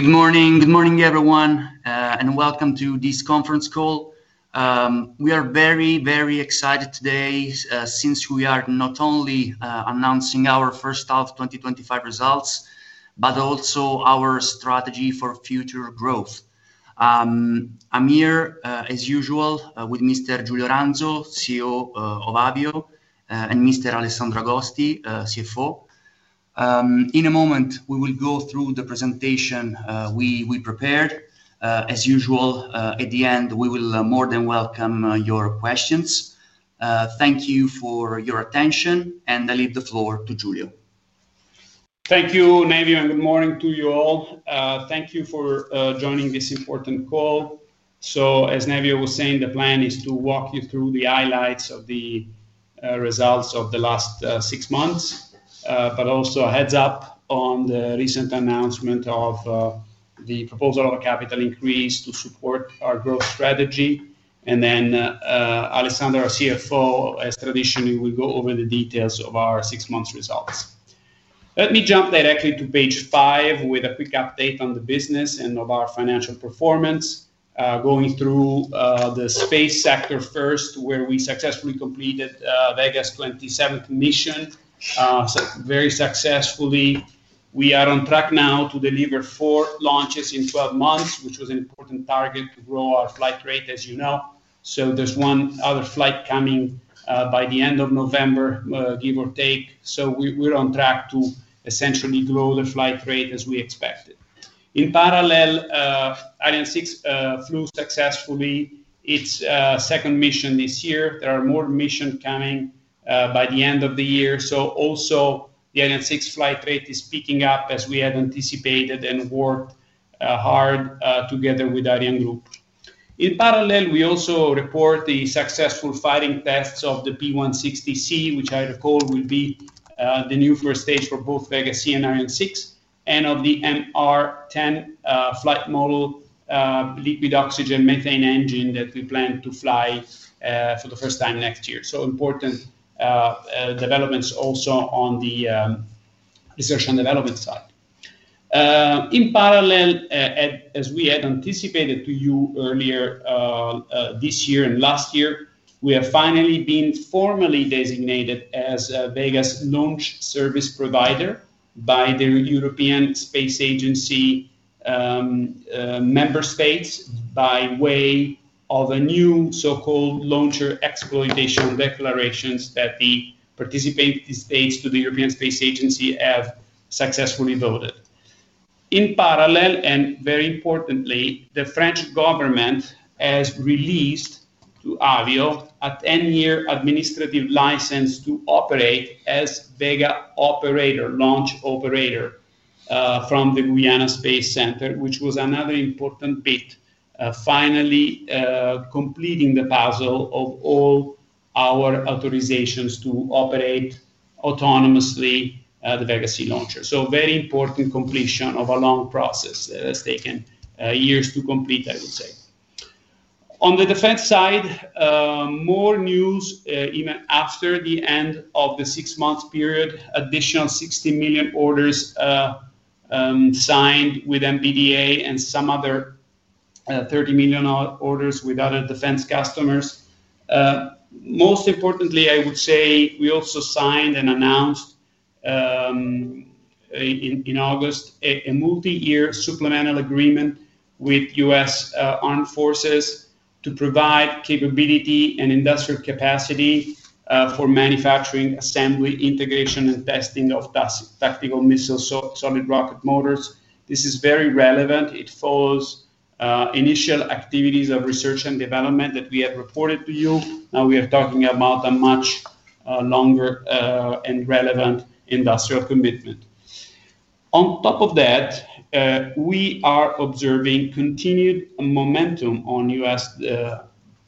Good morning. Good morning, everyone, and welcome to this conference call. We are very, very excited today since we are not only announcing our first half 2025 results, but also our strategy for future growth. I'm here, as usual, with Mr. Giulio Ranzo, CEO of Avio S.p.A., and Mr. Alessandro Agosti, CFO. In a moment, we will go through the presentation we prepared. As usual, at the end, we will more than welcome your questions. Thank you for your attention, and I leave the floor to Giulio. Thank you, Nevio, and good morning to you all. Thank you for joining this important call. As Nevio was saying, the plan is to walk you through the highlights of the results of the last six months, but also a heads up on the recent announcement of the proposal of a capital increase to support our growth strategy. Alessandro, our CFO, as traditionally, will go over the details of our six months' results. Let me jump directly to page five with a quick update on the business and of our financial performance. Going through the space sector first, where we successfully completed Vega's 27th mission, very successfully. We are on track now to deliver four launches in 12 months, which was an important target to grow our flight rate, as you know. There is one other flight coming by the end of November, give or take. We are on track to essentially grow the flight rate as we expected. In parallel, Ariane 6 flew successfully its second mission this year. There are more missions coming by the end of the year. The Ariane 6 flight rate is picking up, as we had anticipated and worked hard together with the Ariane Group. In parallel, we also report the successful firing tests of the P160C, which I recall will be the new first stage for both Vega-C and Ariane 6, and of the MR10 flight model, liquid oxygen maintained engine that we plan to fly for the first time next year. Important developments also on the research and development side. In parallel, as we had anticipated to you earlier this year and last year, we have finally been formally designated as Vega's launch service provider by the European Space Agency member states by way of a new so-called launcher exploitation declarations that the participating states to the European Space Agency have successfully voted. In parallel, and very importantly, the French government has released to Avio S.p.A. a 10-year administrative license to operate as Vega operator, launch operator, from the Guyana Space Center, which was another important bit, finally completing the puzzle of all our authorizations to operate autonomously the Vega-C launcher. Very important completion of a long process that has taken years to complete, I would say. On the defense side, more news even after the end of the six months' period, additional $60 million orders signed with MBDA and some other $30 million orders with other defense customers. Most importantly, I would say we also signed and announced in August a multi-year supplemental agreement with the U.S. Armed Forces to provide capability and industrial capacity for manufacturing, assembly, integration, and testing of tactical missiles, so solid rocket motors. This is very relevant. It follows initial activities of research and development that we had reported to you. Now we are talking about a much longer and relevant industrial commitment. On top of that, we are observing continued momentum on U.S.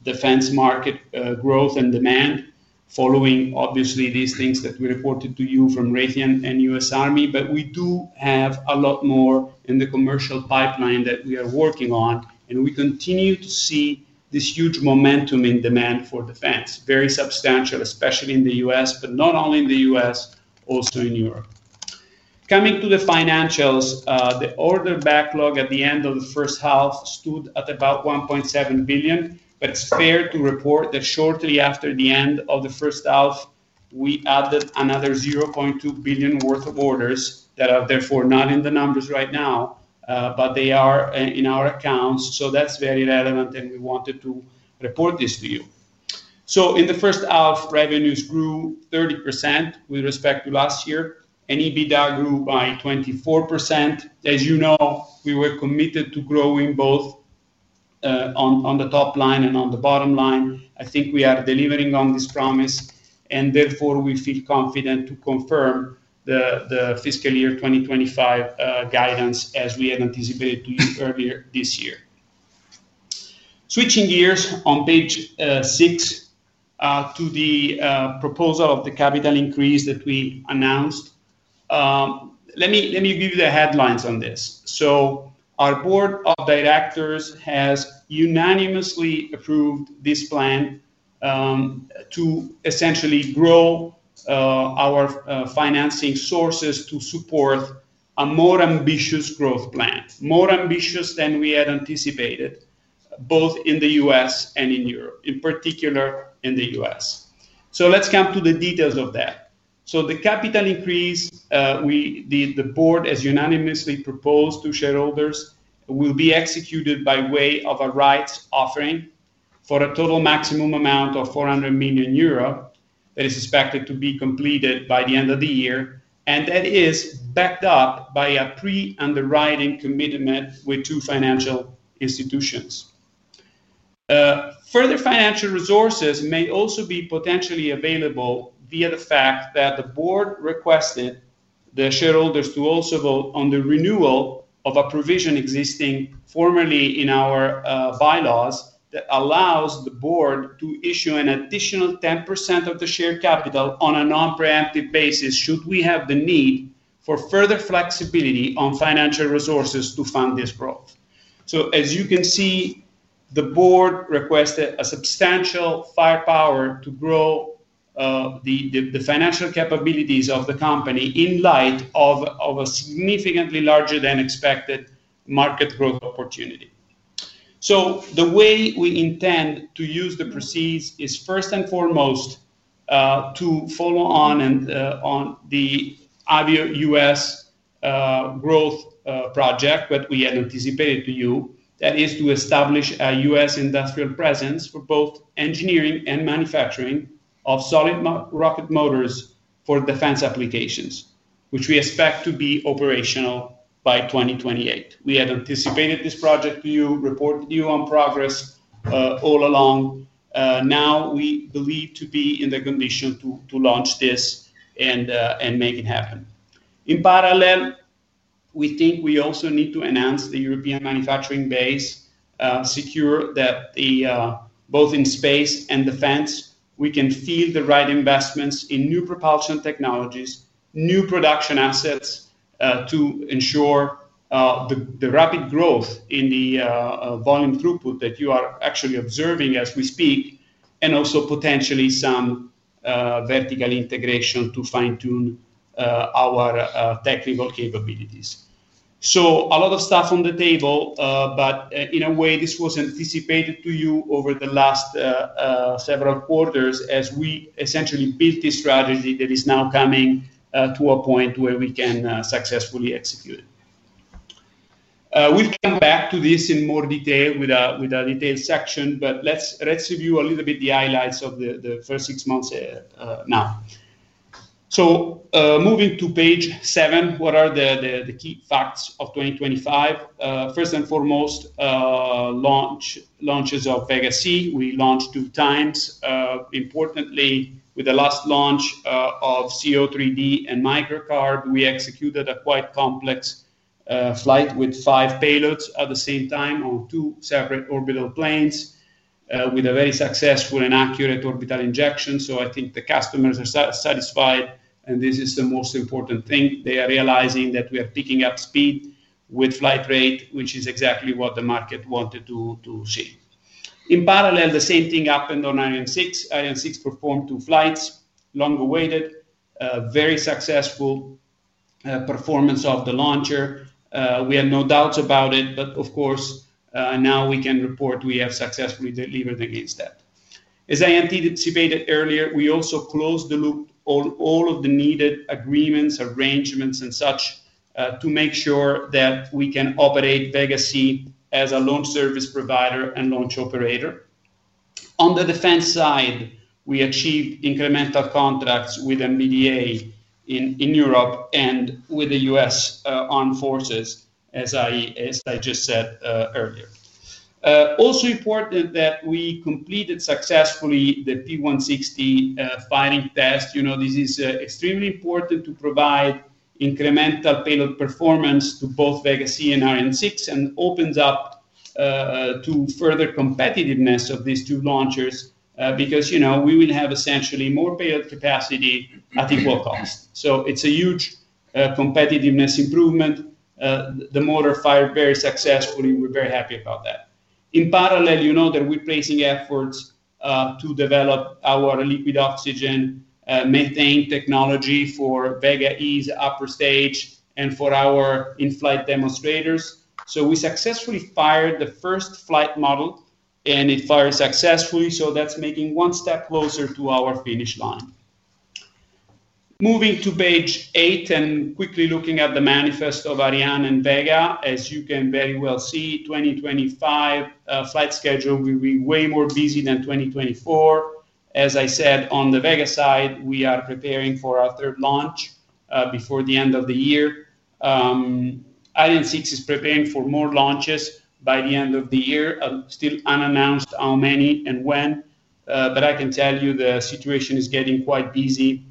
defense market growth and demand following, obviously, these things that we reported to you from Raytheon and U.S. Army. We do have a lot more in the commercial pipeline that we are working on, and we continue to see this huge momentum in demand for defense, very substantial, especially in the U.S., but not only in the U.S., also in Europe. Coming to the financials, the order backlog at the end of the first half stood at about €1.7 billion, but it's fair to report that shortly after the end of the first half, we added another €0.2 billion worth of orders that are therefore not in the numbers right now, but they are in our accounts. That's very relevant, and we wanted to report this to you. In the first half, revenues grew 30% with respect to last year, and EBITDA grew by 24%. As you know, we were committed to growing both on the top line and on the bottom line. I think we are delivering on this promise, and therefore we feel confident to confirm the fiscal year 2025 guidance, as we had anticipated to you earlier this year. Switching gears on page six to the proposal of the capital increase that we announced, let me give you the headlines on this. Our Board of Directors has unanimously approved this plan to essentially grow our financing sources to support a more ambitious growth plan, more ambitious than we had anticipated, both in the U.S. and in Europe, in particular in the U.S. Let's come to the details of that. The capital increase we did, the Board has unanimously proposed to shareholders, will be executed by way of a rights offering for a total maximum amount of €400 million that is expected to be completed by the end of the year, and that is backed up by a pre-underwriting commitment with two financial institutions. Further financial resources may also be potentially available via the fact that the board requested the shareholders to also vote on the renewal of a provision existing formerly in our bylaws that allows the board to issue an additional 10% of the share capital on a non-preemptive basis should we have the need for further flexibility on financial resources to fund this growth. As you can see, the board requested substantial firepower to grow the financial capabilities of the company in light of a significantly larger than expected market growth opportunity. The way we intend to use the proceeds is first and foremost to follow on the Avio U.S. growth project that we had anticipated to you, that is to establish a U.S. industrial presence for both engineering and manufacturing of solid rocket motors for defense applications, which we expect to be operational by 2028. We had anticipated this project to you, reported to you on progress all along. Now we believe to be in the condition to launch this and make it happen. In parallel, we think we also need to enhance the European manufacturing base, secure that both in space and defense, we can feel the right investments in new propulsion technologies, new production assets to ensure the rapid growth in the volume throughput that you are actually observing as we speak, and also potentially some vertical integration to fine-tune our tech-level capabilities. A lot of stuff on the table, but in a way, this was anticipated to you over the last several quarters as we essentially built this strategy that is now coming to a point where we can successfully execute it. We'll come back to this in more detail with a detailed section, but let's review a little bit the highlights of the first six months now. Moving to page seven, what are the key facts of 2025? First and foremost, launches of Vega-C. We launched two times. Importantly, with the last launch of CO3D and MicroCarb, we executed a quite complex flight with five payloads at the same time on two separate orbital planes with a very successful and accurate orbital injection. I think the customers are satisfied, and this is the most important thing. They are realizing that we are picking up speed with flight rate, which is exactly what the market wanted to see. In parallel, the same thing happened on Ariane 6. Ariane 6 performed two flights, long awaited, very successful performance of the launcher. We had no doubts about it, but of course, now we can report we have successfully delivered against that. As I anticipated earlier, we also closed the loop on all of the needed agreements, arrangements, and such to make sure that we can operate Vega-C as a launch service provider and launch operator. On the defense side, we achieved incremental contracts with MBDA in Europe and with the U.S. Armed Forces, as I just said earlier. Also important that we completed successfully the P160C firing test. This is extremely important to provide incremental payload performance to both Vega-C and Ariane 6, and opens up to further competitiveness of these two launchers because we will have essentially more payload capacity at equal cost. It's a huge competitiveness improvement. The motor fired very successfully. We're very happy about that. In parallel, you know that we're placing efforts to develop our liquid oxygen engine technology for Vega E's upper stage and for our in-flight demonstrators. We successfully fired the first flight model, and it fired successfully. That's making one step closer to our finish line. Moving to page eight and quickly looking at the manifest of Ariane and Vega, as you can very well see, 2025 flight schedule will be way more busy than 2024. As I said, on the Vega side, we are preparing for our third launch before the end of the year. Ariane 6 is preparing for more launches by the end of the year, still unannounced how many and when, but I can tell you the situation is getting quite busy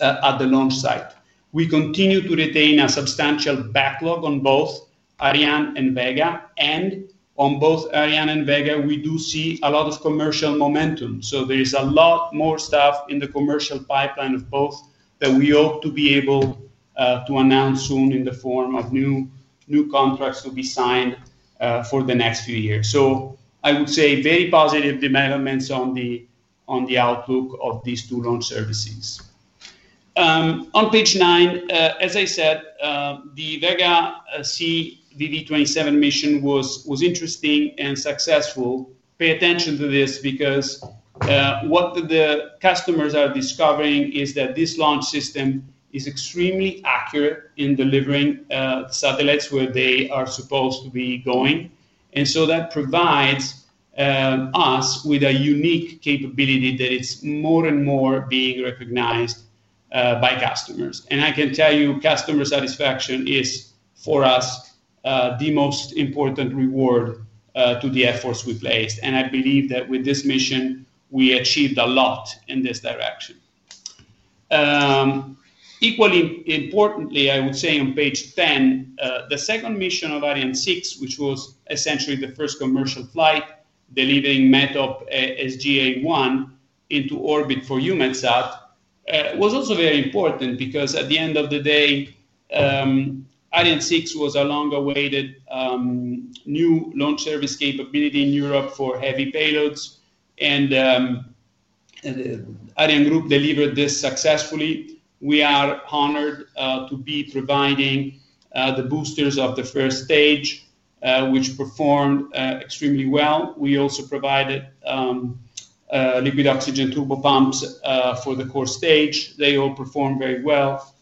at the launch site. We continue to retain a substantial backlog on both Ariane and Vega, and on both Ariane and Vega, we do see a lot of commercial momentum. There's a lot more stuff in the commercial pipeline of both that we hope to be able to announce soon in the form of new contracts to be signed for the next few years. I would say very positive developments on the outlook of these two launch services. On page nine, as I said, the Vega-C VV27 mission was interesting and successful. Pay attention to this because what the customers are discovering is that this launch system is extremely accurate in delivering satellites where they are supposed to be going. That provides us with a unique capability that is more and more being recognized by customers. I can tell you customer satisfaction is, for us, the most important reward to the efforts we placed. I believe that with this mission, we achieved a lot in this direction. Equally importantly, I would say on page 10, the second mission of Ariane 6, which was essentially the first commercial flight delivering MATTOB SGA-1 into orbit for UMACSAT, was also very important because at the end of the day, Ariane 6 was a long-awaited new launch service capability in Europe for heavy payloads, and the Ariane Group delivered this successfully. We are honored to be providing the boosters of the first stage, which performed extremely well. We also provided liquid oxygen turbopumps for the core stage. They all performed very well.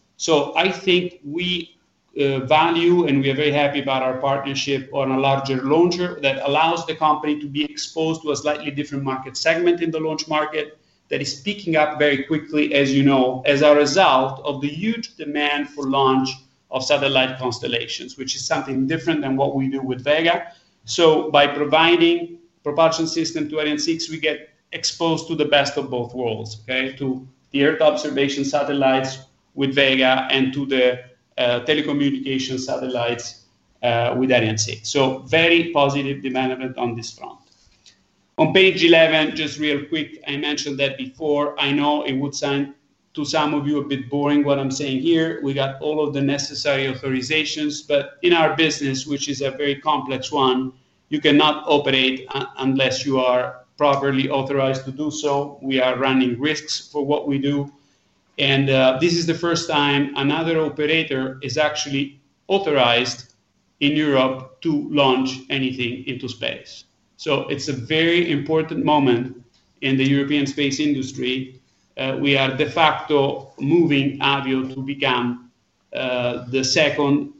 I think we value, and we are very happy about our partnership on a larger launcher that allows the company to be exposed to a slightly different market segment in the launch market that is picking up very quickly, as you know, as a result of the huge demand for launch of satellite constellations, which is something different than what we do with Vega. By providing a propulsion system to Ariane 6, we get exposed to the best of both worlds, to the Earth observation satellites with Vega and to the telecommunications satellites with Ariane 6. Very positive development on this front. On page 11, just real quick, I mentioned that before. I know it would sound to some of you a bit boring what I'm saying here. We got all of the necessary authorizations, but in our business, which is a very complex one, you cannot operate unless you are properly authorized to do so. We are running risks for what we do. This is the first time another operator is actually authorized in Europe to launch anything into space. It is a very important moment in the European space industry. We are de facto moving Avio to become the second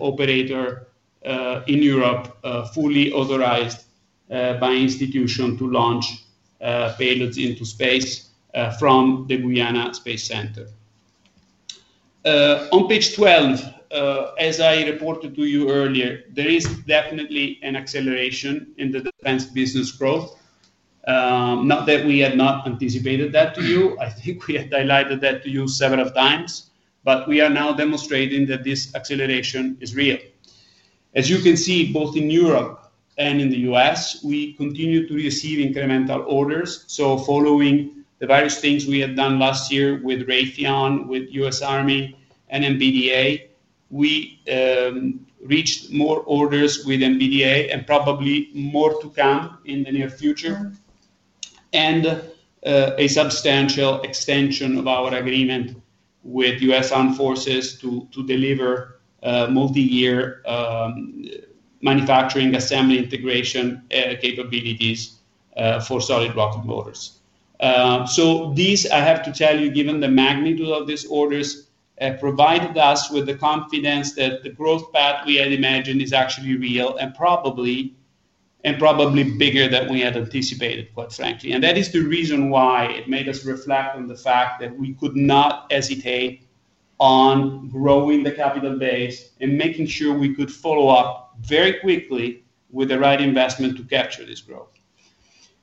operator in Europe, fully authorized by institution to launch payloads into space from the Guyana Space Center. On page 12, as I reported to you earlier, there is definitely an acceleration in the defense business growth. Not that we had not anticipated that to you. I think we had highlighted that to you several times, but we are now demonstrating that this acceleration is real. As you can see, both in Europe and in the U.S., we continue to receive incremental orders. Following the various things we had done last year with RATION, with U.S. Army, and MBDA, we reached more orders with MBDA and probably more to come in the near future. A substantial extension of our agreement with U.S. Armed Forces to deliver multi-year manufacturing, assembly, integration capabilities for solid rocket motors. These, I have to tell you, given the magnitude of these orders, provided us with the confidence that the growth path we had imagined is actually real and probably bigger than we had anticipated, quite frankly. That is the reason why it made us reflect on the fact that we could not hesitate on growing the capital base and making sure we could follow up very quickly with the right investment to capture this growth.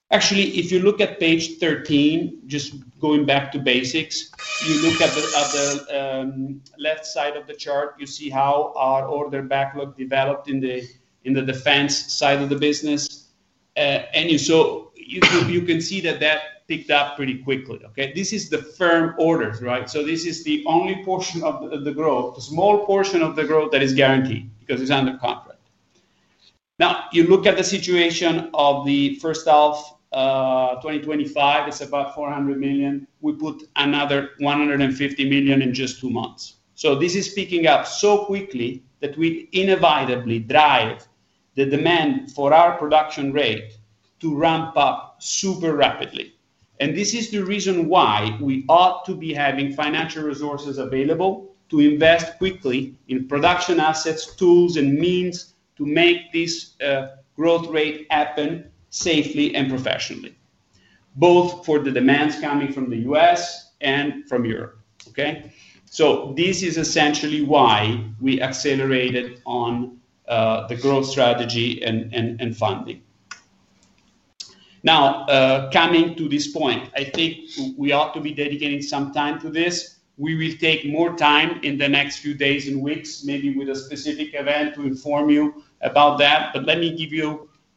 Actually, if you look at page 13, just going back to basics, you look at the left side of the chart, you see how our order backlog developed in the defense side of the business. You can see that that picked up pretty quickly. This is the firm orders, right? This is the only portion of the growth, the small portion of the growth that is guaranteed because it's under contract. Now, you look at the situation of the first half 2025. It's about $400 million. We put another $150 million in just two months. This is picking up so quickly that we inevitably drive the demand for our production rate to ramp up super rapidly. This is the reason why we ought to be having financial resources available to invest quickly in production assets, tools, and means to make this growth rate happen safely and professionally, both for the demands coming from the U.S. and from Europe. This is essentially why we accelerated on the growth strategy and funding. Now, coming to this point, I think we ought to be dedicating some time to this. We will take more time in the next few days and weeks, maybe with a specific event to inform you about that.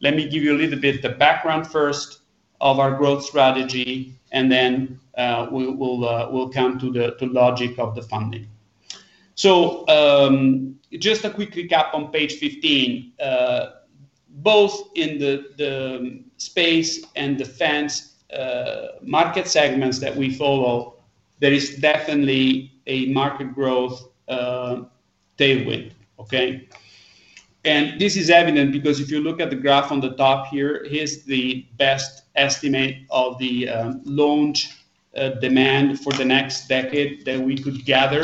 Let me give you a little bit of the background first of our growth strategy, and then we'll come to the logic of the funding. Just a quick recap on page 15. Both in the space and defense market segments that we follow, there is definitely a market growth tailwind. This is evident because if you look at the graph on the top here, here's the best estimate of the loan demand for the next decade that we could gather.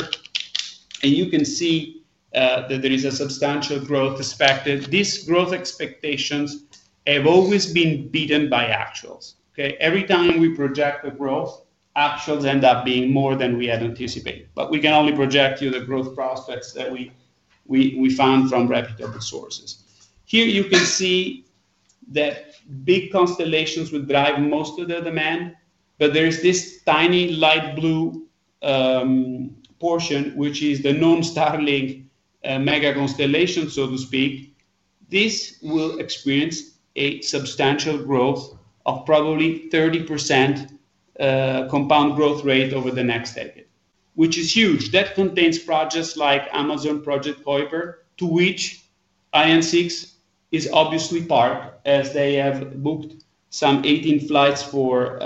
You can see that there is a substantial growth expected. These growth expectations have always been beaten by actuals. Every time we project the growth, actuals end up being more than we had anticipated. We can only project you the growth prospects that we found from reputable sources. Here you can see that big constellations would drive most of the demand, but there is this tiny light blue portion, which is the non-Starlink mega constellation, so to speak. This will experience a substantial growth of probably 30% compound growth rate over the next decade, which is huge. That contains projects like Amazon Project Kuiper, to which Ariane 6 is obviously part, as they have booked some 18 flights for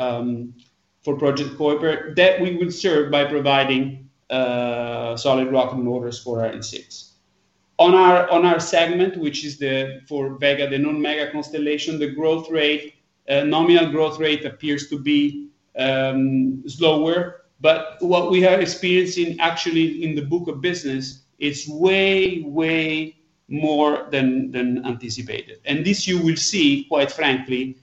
Project Kuiper that we will serve by providing solid rocket motors for Ariane 6. On our segment, which is for Vega, the non-mega constellation, the growth rate, nominal growth rate appears to be slower, but what we are experiencing actually in the book of business is way, way more than anticipated. This you will see, quite frankly,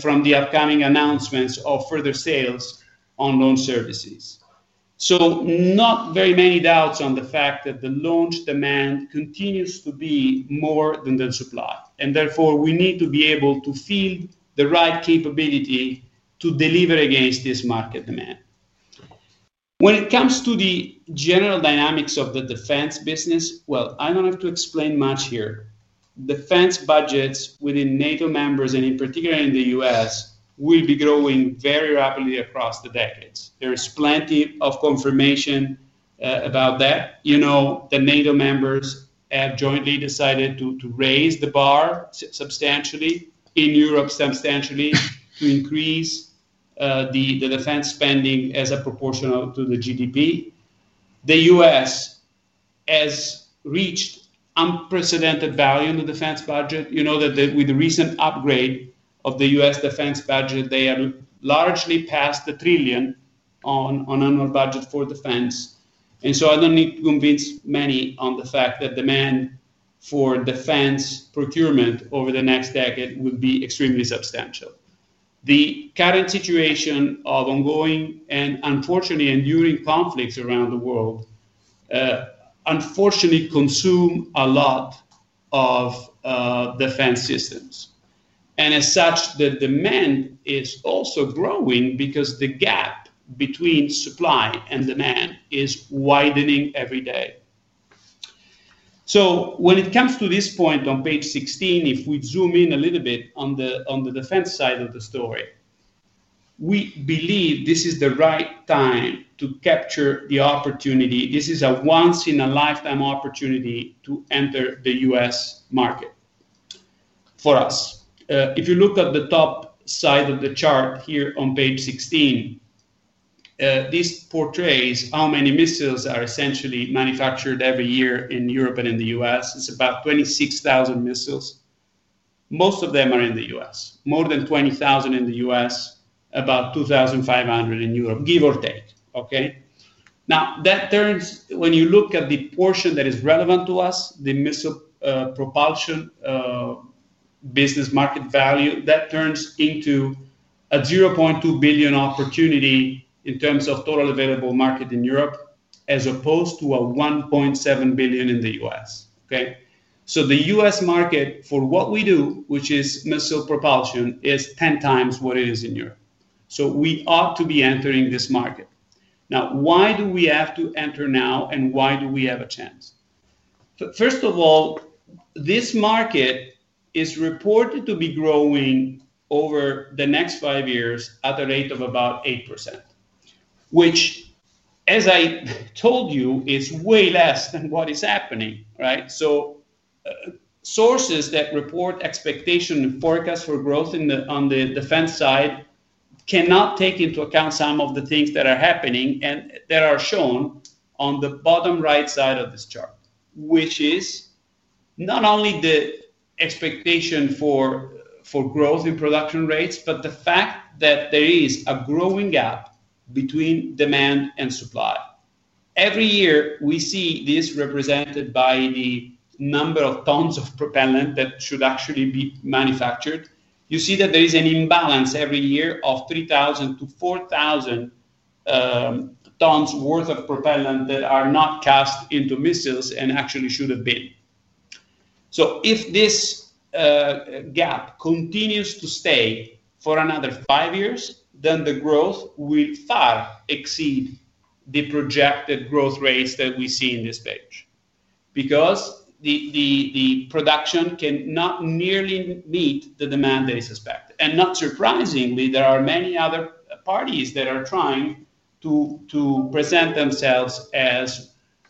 from the upcoming announcements of further sales on launch services. Not very many doubts on the fact that the launch demand continues to be more than the supply. Therefore, we need to be able to feel the right capability to deliver against this market demand. When it comes to the general dynamics of the defense business, I don't have to explain much here. Defense budgets within NATO members, and in particular in the U.S., will be growing very rapidly across the decades. There is plenty of confirmation about that. The NATO members have jointly decided to raise the bar substantially in Europe, substantially to increase the defense spending as a proportion to the GDP. The U.S. has reached unprecedented value in the defense budget. You know that with the recent upgrade of the U.S. defense budget, they are largely past the trillion on annual budget for defense. I don't need to convince many on the fact that demand for defense procurement over the next decade will be extremely substantial. The current situation of ongoing and unfortunately enduring conflicts around the world unfortunately consumes a lot of defense systems. As such, the demand is also growing because the gap between supply and demand is widening every day. When it comes to this point on page 16, if we zoom in a little bit on the defense side of the story, we believe this is the right time to capture the opportunity. This is a once-in-a-lifetime opportunity to enter the U.S. market for us. If you look at the top side of the chart here on page 16, this portrays how many missiles are essentially manufactured every year in Europe and in the U.S. It's about 26,000 missiles. Most of them are in the U.S. More than 20,000 in the U.S., about 2,500 in Europe, give or take. Okay, now that turns when you look at the portion that is relevant to us, the missile propulsion business market value, that turns into a $0.2 billion opportunity in terms of total available market in Europe, as opposed to $1.7 billion in the U.S. Okay, so the U.S. market for what we do, which is missile propulsion, is 10 times what it is in Europe. We ought to be entering this market. Now, why do we have to enter now and why do we have a chance? First of all, this market is reported to be growing over the next five years at a rate of about 8%, which, as I told you, is way less than what is happening, right? Sources that report expectation and forecast for growth on the defense side cannot take into account some of the things that are happening and that are shown on the bottom right side of this chart, which is not only the expectation for growth in production rates, but the fact that there is a growing gap between demand and supply. Every year, we see this represented by the number of tons of propellant that should actually be manufactured. You see that there is an imbalance every year of 3,000 to 4,000 tons worth of propellant that are not cast into missiles and actually should have been. If this gap continues to stay for another five years, then the growth will far exceed the projected growth rates that we see in this page because the production cannot nearly meet the demand that is expected. Not surprisingly, there are many other parties that are trying to present themselves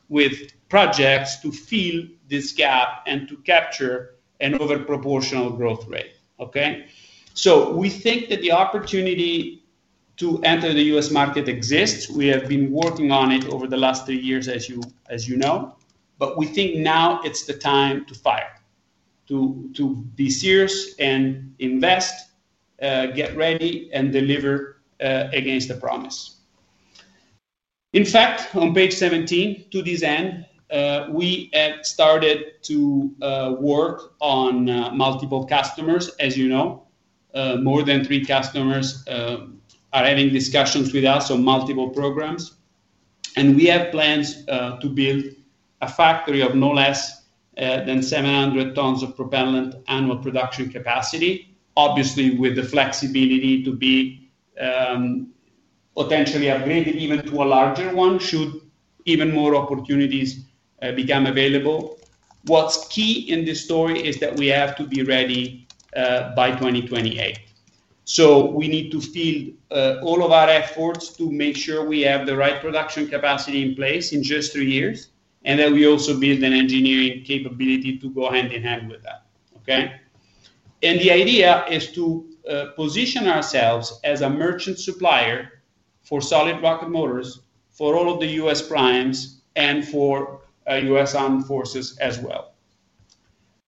with projects to fill this gap and to capture an overproportional growth rate. We think that the opportunity to enter the U.S. market exists. We have been working on it over the last three years, as you know, but we think now it's the time to fire, to be serious and invest, get ready, and deliver against the promise. In fact, on page 17, to this end, we had started to work on multiple customers. As you know, more than three customers are having discussions with us on multiple programs, and we have plans to build a factory of no less than 700 tons of propellant annual production capacity, obviously with the flexibility to be potentially upgraded even to a larger one should even more opportunities become available. What's key in this story is that we have to be ready by 2028. We need to field all of our efforts to make sure we have the right production capacity in place in just three years, and then we also build an engineering capability to go hand in hand with that. The idea is to position ourselves as a merchant supplier for solid rocket motors for all of the U.S. primes and for U.S. Armed Forces as well.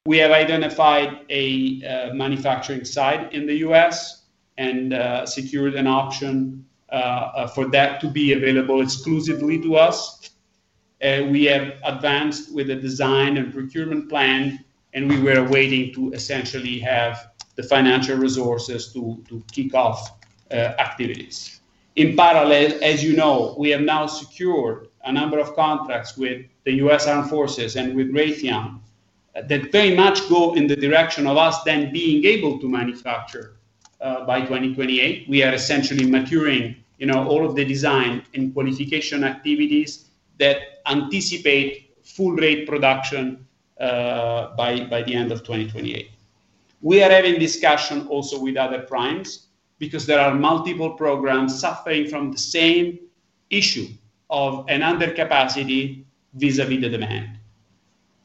We have identified a manufacturing site in the U.S. and secured an option for that to be available exclusively to us. We have advanced with a design and procurement plan, and we were waiting to essentially have the financial resources to kick off activities. In parallel, as you know, we have now secured a number of contracts with the U.S. Armed Forces and with RATION that very much go in the direction of us then being able to manufacture by 2028. We are essentially maturing all of the design and qualification activities that anticipate full-rate production by the end of 2028. We are having discussions also with other primes because there are multiple programs suffering from the same issue of an undercapacity vis-à-vis the demand.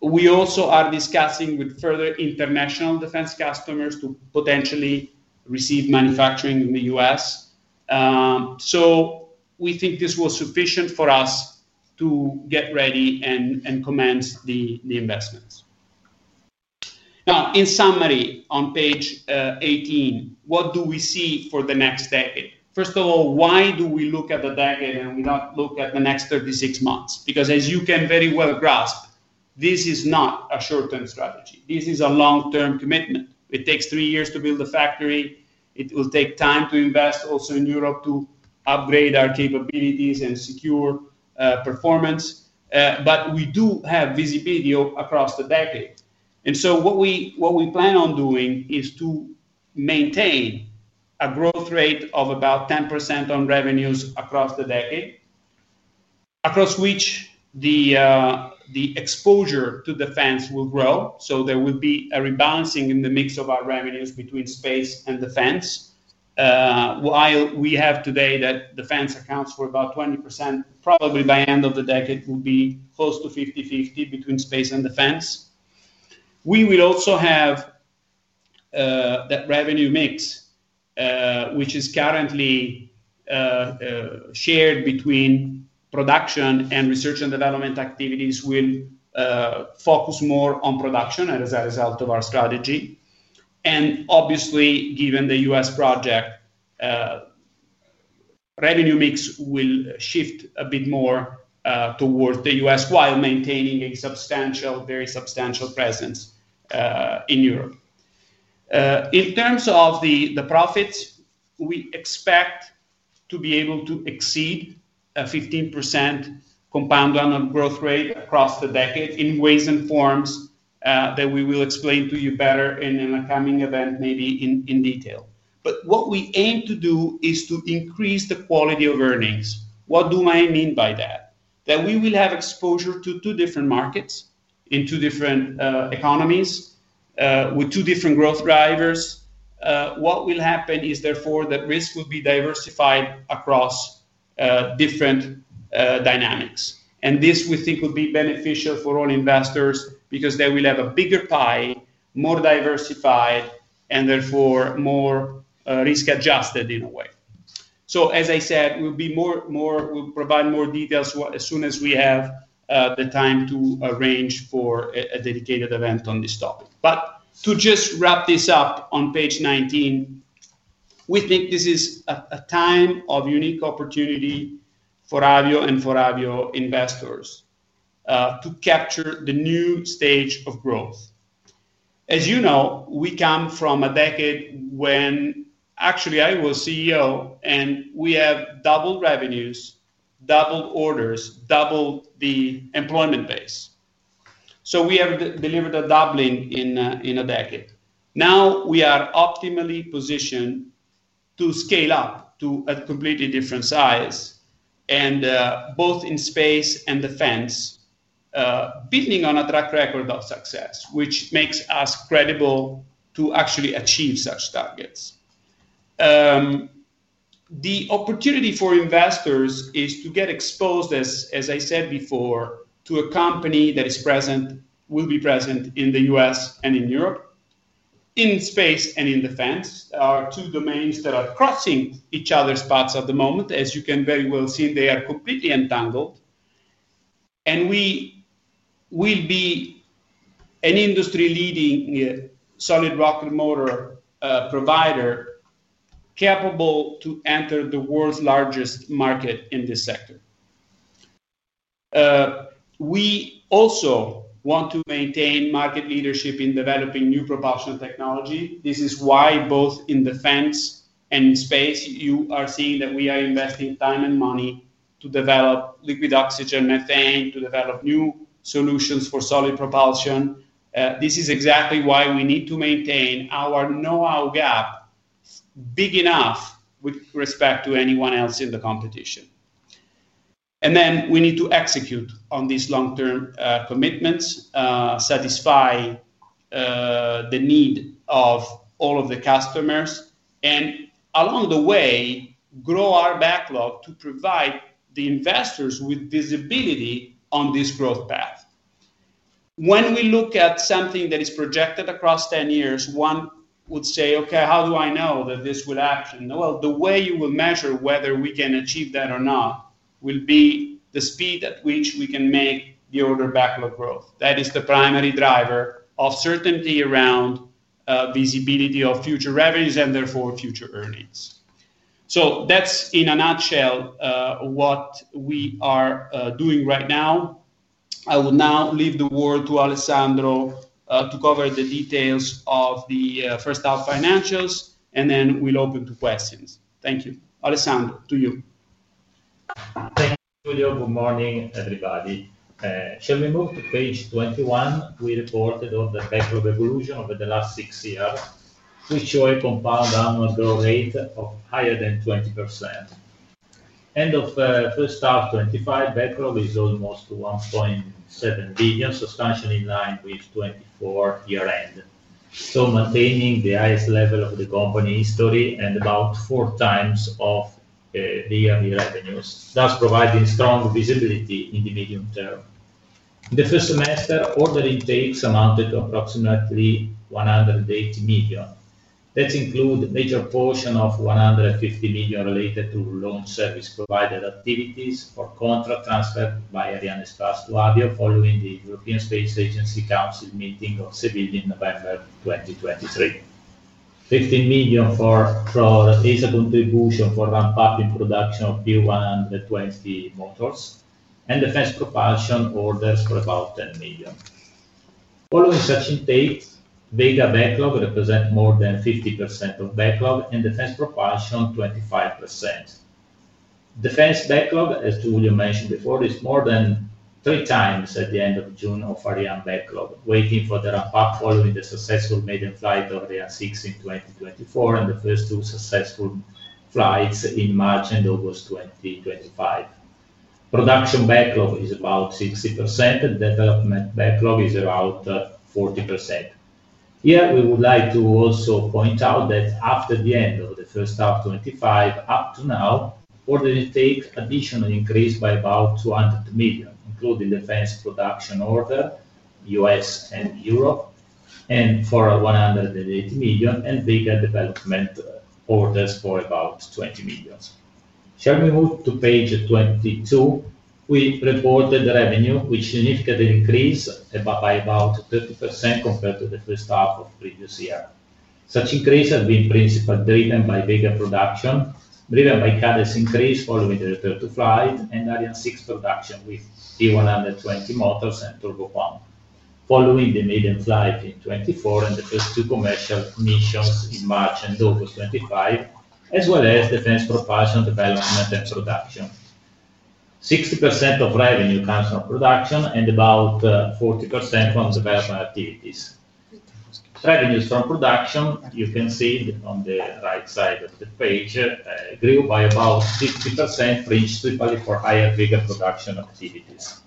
We also are discussing with further international defense customers to potentially receive manufacturing in the U.S. We think this was sufficient for us to get ready and commence the investments. In summary, on page 18, what do we see for the next decade? First of all, why do we look at the decade and we don't look at the next 36 months? As you can very well grasp, this is not a short-term strategy. This is a long-term commitment. It takes three years to build a factory. It will take time to invest also in Europe to upgrade our capabilities and secure performance. We do have visibility across the decade. What we plan on doing is to maintain a growth rate of about 10% on revenues across the decade, across which the exposure to defense will grow. There will be a rebalancing in the mix of our revenues between space and defense. While we have today that defense accounts for about 20%, probably by the end of the decade, it will be close to 50/50 between space and defense. We will also have that revenue mix, which is currently shared between production and research and development activities, will focus more on production as a result of our strategy. Obviously, given the U.S. project, revenue mix will shift a bit more towards the U.S. while maintaining a very substantial presence in Europe. In terms of the profits, we expect to be able to exceed a 15% compound annual growth rate across the decade in ways and forms that we will explain to you better in an upcoming event, maybe in detail. What we aim to do is to increase the quality of earnings. What do I mean by that? That we will have exposure to two different markets in two different economies with two different growth drivers. What will happen is, therefore, that risks will be diversified across different dynamics. We think this will be beneficial for all investors because they will have a bigger pie, more diversified, and therefore more risk-adjusted in a way. As I said, we'll provide more details as soon as we have the time to arrange for a dedicated event on this topic. To just wrap this up, on page 19, we think this is a time of unique opportunity for Avio and for Avio investors to capture the new stage of growth. As you know, we come from a decade when actually I was CEO and we have doubled revenues, doubled orders, doubled the employment base. We have delivered a doubling in a decade. Now we are optimally positioned to scale up to a completely different size, and both in space and defense, beating on a track record of success, which makes us credible to actually achieve such targets. The opportunity for investors is to get exposed, as I said before, to a company that is present, will be present in the U.S. and in Europe, in space and in defense. There are two domains that are crossing each other's paths at the moment. As you can very well see, they are completely entangled. We will be an industry-leading solid rocket motor provider capable to enter the world's largest market in this sector. We also want to maintain market leadership in developing new propulsion technology. This is why both in defense and in space, you are seeing that we are investing time and money to develop liquid oxygen maintained, to develop new solutions for solid propulsion. This is exactly why we need to maintain our know-how gap big enough with respect to anyone else in the competition. We need to execute on these long-term commitments, satisfy the need of all of the customers, and along the way, grow our backlog to provide the investors with visibility on this growth path. When we look at something that is projected across 10 years, one would say, "Okay, how do I know that this will happen?" The way you will measure whether we can achieve that or not will be the speed at which we can make the order backlog growth. That is the primary driver of certainty around visibility of future revenues and therefore future earnings. That's in a nutshell what we are doing right now. I will now leave the word to Alessandro to cover the details of the first half financials, and then we'll open to questions. Thank you. Alessandro, to you. Thank you, Giulio. Good morning, everybody. Shall we move to page 21? We reported on the backlog evolution over the last six years, which showed a compound annual growth rate of higher than 20%. End of first half 2025, backlog is almost €1.7 billion, substantially in line with 2024 year-end. Maintaining the highest level of the company history and about four times the yearly revenues, thus providing strong visibility in the medium term. In the first semester, order intakes amounted to approximately €180 million. This includes a major portion of €150 million related to launch service provider activities for contract transfers by Ioannis Karyotis to Avio S.p.A. following the European Space Agency Council meeting on 7 November 2023, €15 million for replaceable distribution for ramp-up in production of P120 motors, and defense propulsion orders for about €10 million. Following such intakes, Vega backlog represents more than 50% of backlog and defense propulsion 25%. Defense backlog, as Giulio mentioned before, is more than three times at the end of June of Ariane backlog, waiting for the ramp-up following the successful maiden flight of Ariane 6 in 2024 and the first two successful flights in March and August 2025. Production backlog is about 60% and development backlog is around 40%. Here, we would like to also point out that after the end of the first half 2025 up to now, order intakes additionally increased by about €200 million, including defense production order, U.S. and Europe, for €180 million, and Vega development orders for about €20 million. Shall we move to page 22? We reported the revenue, which significantly increased by about 30% compared to the first half of the previous year. Such increase has been principally driven by Vega production, driven by cadence increase following the return to flight, and Ariane 6 production with P120 motors and turbopumps. Following the maiden flight in 2024 and the first two commercial missions in March and August 2025, as well as defense propulsion development and production. 60% of revenue comes from production and about 40% from development activities. Revenues from production, you can see on the right side of the page, grew by about 50% principally for higher Vega production activities.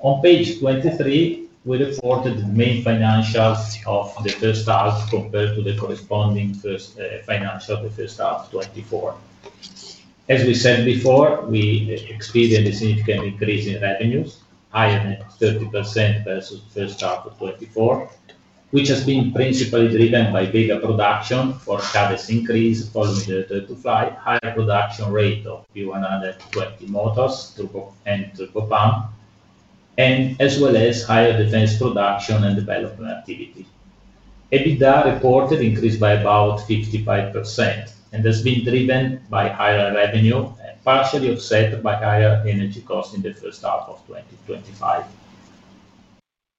On page 23, we reported the main financials of the first half compared to the corresponding first financials of the first half of 2024. As we said before, we experienced a significant increase in revenues, higher than 30% versus the first half of 2024, which has been principally driven by Vega production for carriage increase following the return to flight, higher production rate of P120 motors and turbopumps, as well as higher defense production and development activity. EBITDA reported increase by about 55% and has been driven by higher revenue, partially offset by higher energy costs in the first half of 2025.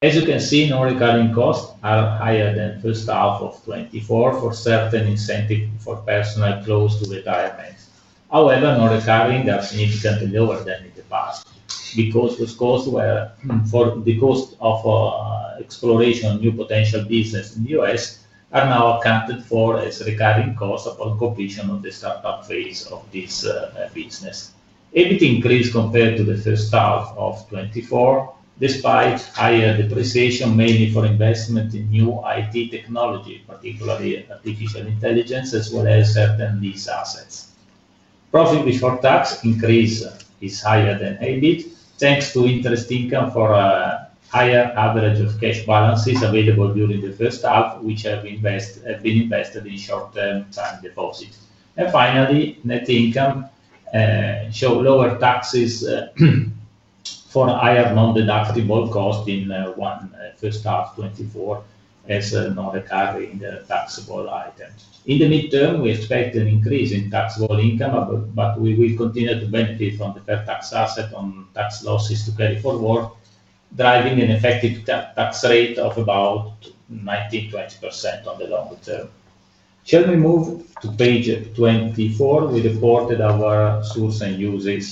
As you can see, non-recurring costs are higher than the first half of 2024 for certain incentives for personnel to retire payments. However, non-recurring are significantly lower than in the past. The process costs for the cost of exploration of new potential businesses in the U.S. are now accounted for as a recurring cost upon completion of the startup phase of this business. EBITDA increased compared to the first half of 2024 despite higher depreciation, mainly for investment in new IT technologies, particularly artificial intelligence, as well as certain lease assets. Profit before tax increase is higher than EBIT thanks to interest income for higher average of cash balances available during the first half, which have been invested in short-term time deposits. Finally, net income shows lower taxes for higher non-deductible costs in one first half of 2024 as a non-recurring taxable item. In the midterm, we expect an increase in taxable income, but we will continue to benefit from the per tax asset on tax losses to pay forward, driving an effective tax rate of about 19-20% on the longer term. Shall we move to page 24? We reported our source and usage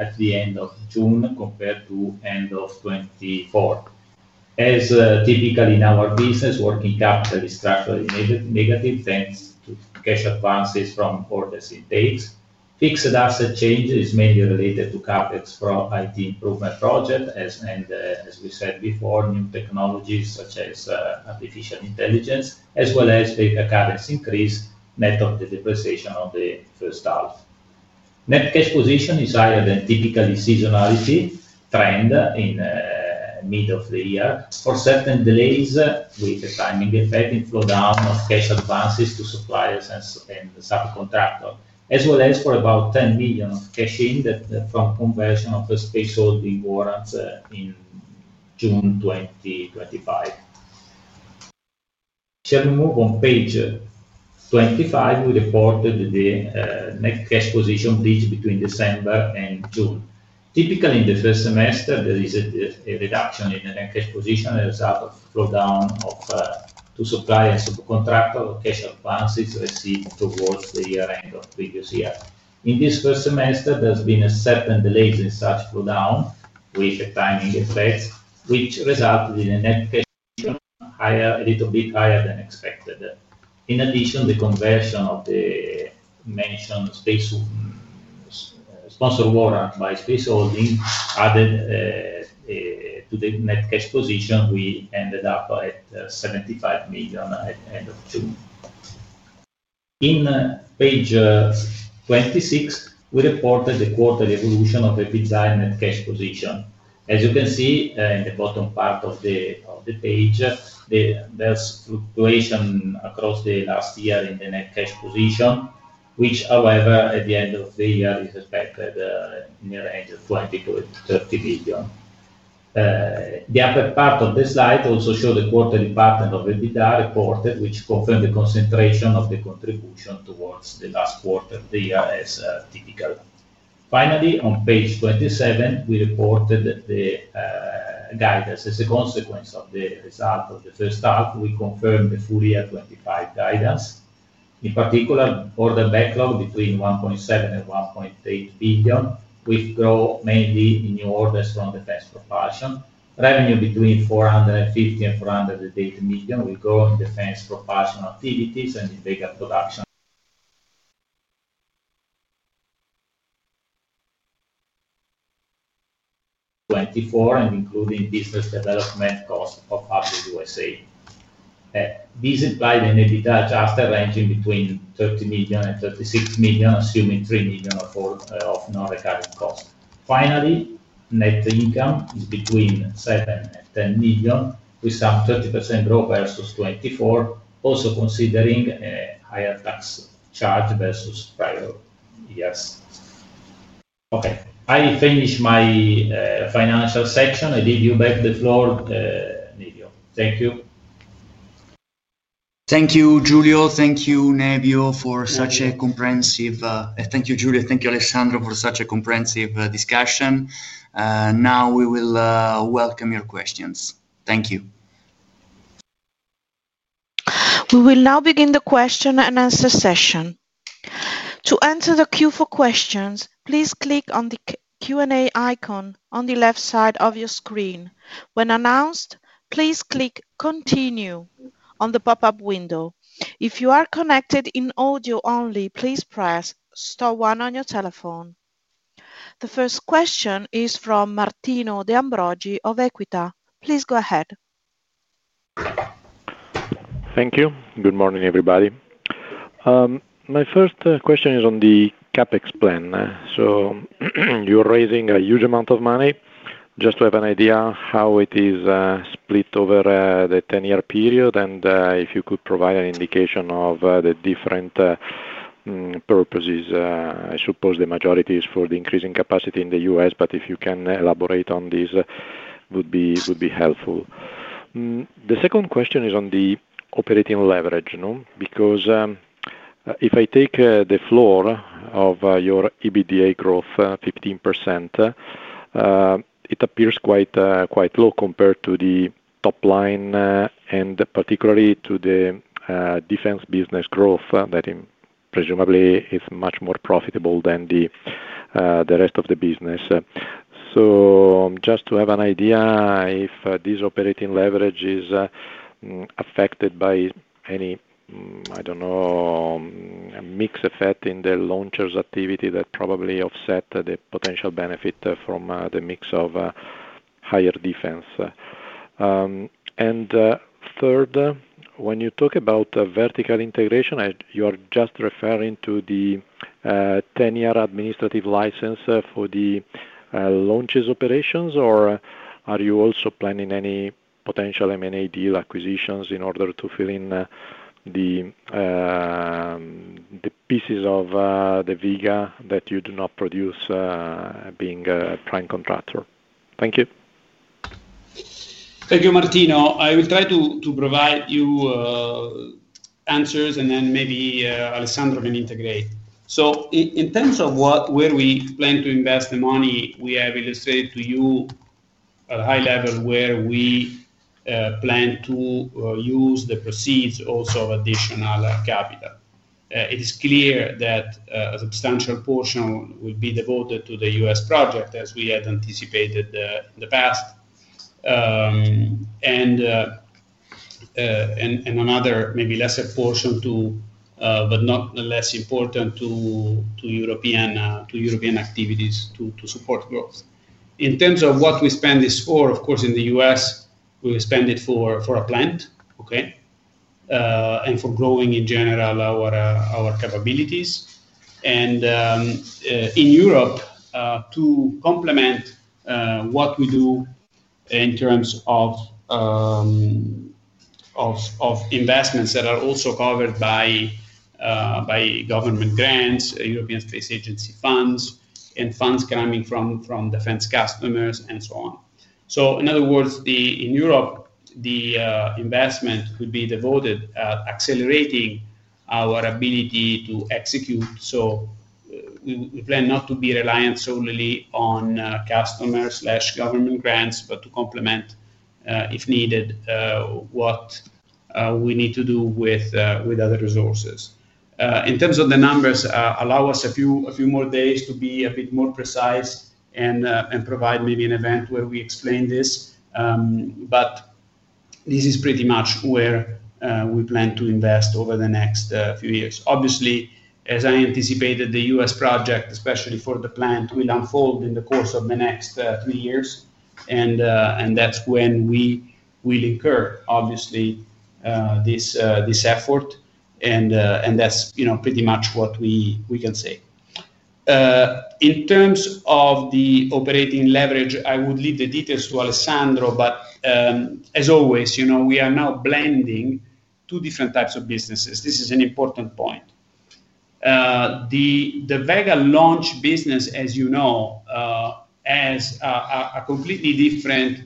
at the end of June compared to the end of 2024. As typically in our business, working capital is structurally negative thanks to cash advances from orders intakes. Fixed asset changes mainly related to CapEx for IT improvement projects, and as we said before, new technologies such as artificial intelligence, as well as a recurrence increase net of the depreciation on the first half. Net cash position is higher than typically seasonality trend in the middle of the year for certain delays with a timing effect in slowdown of cash advances to suppliers and subcontractors, as well as for about €10 million of cash in from conversion of Space Holding warrants in June 2025. Shall we move on page 25? We reported the net cash position dipped between December and June. Typically, in the first semester, there is a reduction in the net cash position as a slowdown of to suppliers and subcontractors, cash advances received towards the year-end of the previous year. In this first semester, there's been a certain delay in such slowdown with timing effects, which resulted in a net cash higher, a little bit higher than expected. In addition, the conversion of the mentioned Space sponsor warrant by Space Holding added to the net cash position. We ended up at €75 million at the end of June. In page 26, we reported the quarterly evolution of EBITDA and net cash position. As you can see in the bottom part of the page, there's fluctuation across the last year in the net cash position, which, however, at the end of the year is expected in the range of €20 to €30 million. The upper part of the slide also shows the quarterly part of EBITDA reported, which confirmed the concentration of the contribution towards the last quarter of the year as typical. Finally, on page 27, we reported the guidance as a consequence of the result of the first half. We confirmed a full year 2025 guidance. In particular, order backlog between €1.7 and €1.8 billion, with growth mainly in new orders from defense propulsion. Revenue between €450 and €480 million will grow in defense propulsion activities and in Vega production. 2024 and including business development costs of up to U.S.A. These implied an EBITDA adjusted ranging between €30 million and €36 million, assuming €3 million of non-recurring costs. Finally, net income is between €7 and €10 million, with a 30% growth versus 2024, also considering a higher tax charge versus prior years. Okay, I finish my financial section. I leave you back to the floor, Nevio. Thank you. Thank you, Giulio. Thank you, Nevio, for such a comprehensive discussion. Thank you, Giulio. Thank you, Alessandro, for such a comprehensive discussion. Now we will welcome your questions. Thank you. We will now begin the question and answer session. To enter the queue for questions, please click on the Q&A icon on the left side of your screen. When announced, please click Continue on the pop-up window. If you are connected in audio only, please press Star 1 on your telephone. The first question is from Martino Deambroggi of Equita. Please go ahead. Thank you. Good morning, everybody. My first question is on the CapEx plan. You're raising a huge amount of money. Just to have an idea how it is split over the 10-year period, and if you could provide an indication of the different purposes. I suppose the majority is for the increasing capacity in the U.S., but if you can elaborate on this, it would be helpful. The second question is on the operating leverage, because if I take the floor of your EBITDA growth, 15%, it appears quite low compared to the top line, and particularly to the defense business growth that presumably is much more profitable than the rest of the business. Just to have an idea, if this operating leverage is affected by any, I don't know, a mix effect in the launcher's activity that probably offset the potential benefit from the mix of higher defense. Third, when you talk about vertical integration, you are just referring to the 10-year administrative license for the launcher's operations, or are you also planning any potential M&A deal acquisitions in order to fill in the pieces of the Vega that you do not produce being a prime contractor? Thank you. Thank you, Martino. I will try to provide you answers, and then maybe Alessandro can integrate. In terms of where we plan to invest the money, we have illustrated to you at a high level where we plan to use the proceeds also of additional capital. It is clear that a substantial portion will be devoted to the U.S. project, as we had anticipated in the past, and another maybe lesser portion, but not less important, to European activities to support growth. In terms of what we spend this for, of course, in the U.S., we spend it for a plant, and for growing in general our capabilities. In Europe, to complement what we do in terms of investments that are also covered by government grants, European Space Agency funds, and funds coming from defense customers, and so on. In other words, in Europe, the investment will be devoted at accelerating our ability to execute. We plan not to be reliant solely on customers/government grants, but to complement, if needed, what we need to do with other resources. In terms of the numbers, allow us a few more days to be a bit more precise and provide maybe an event where we explain this, but this is pretty much where we plan to invest over the next few years. Obviously, as I anticipated, the U.S. project, especially for the plant, will unfold in the course of the next three years, and that's when we will incur, obviously, this effort, and that's pretty much what we can say. In terms of the operating leverage, I would leave the details to Alessandro, but as always, you know, we are now blending two different types of businesses. This is an important point. The Vega launch business, as you know, has a completely different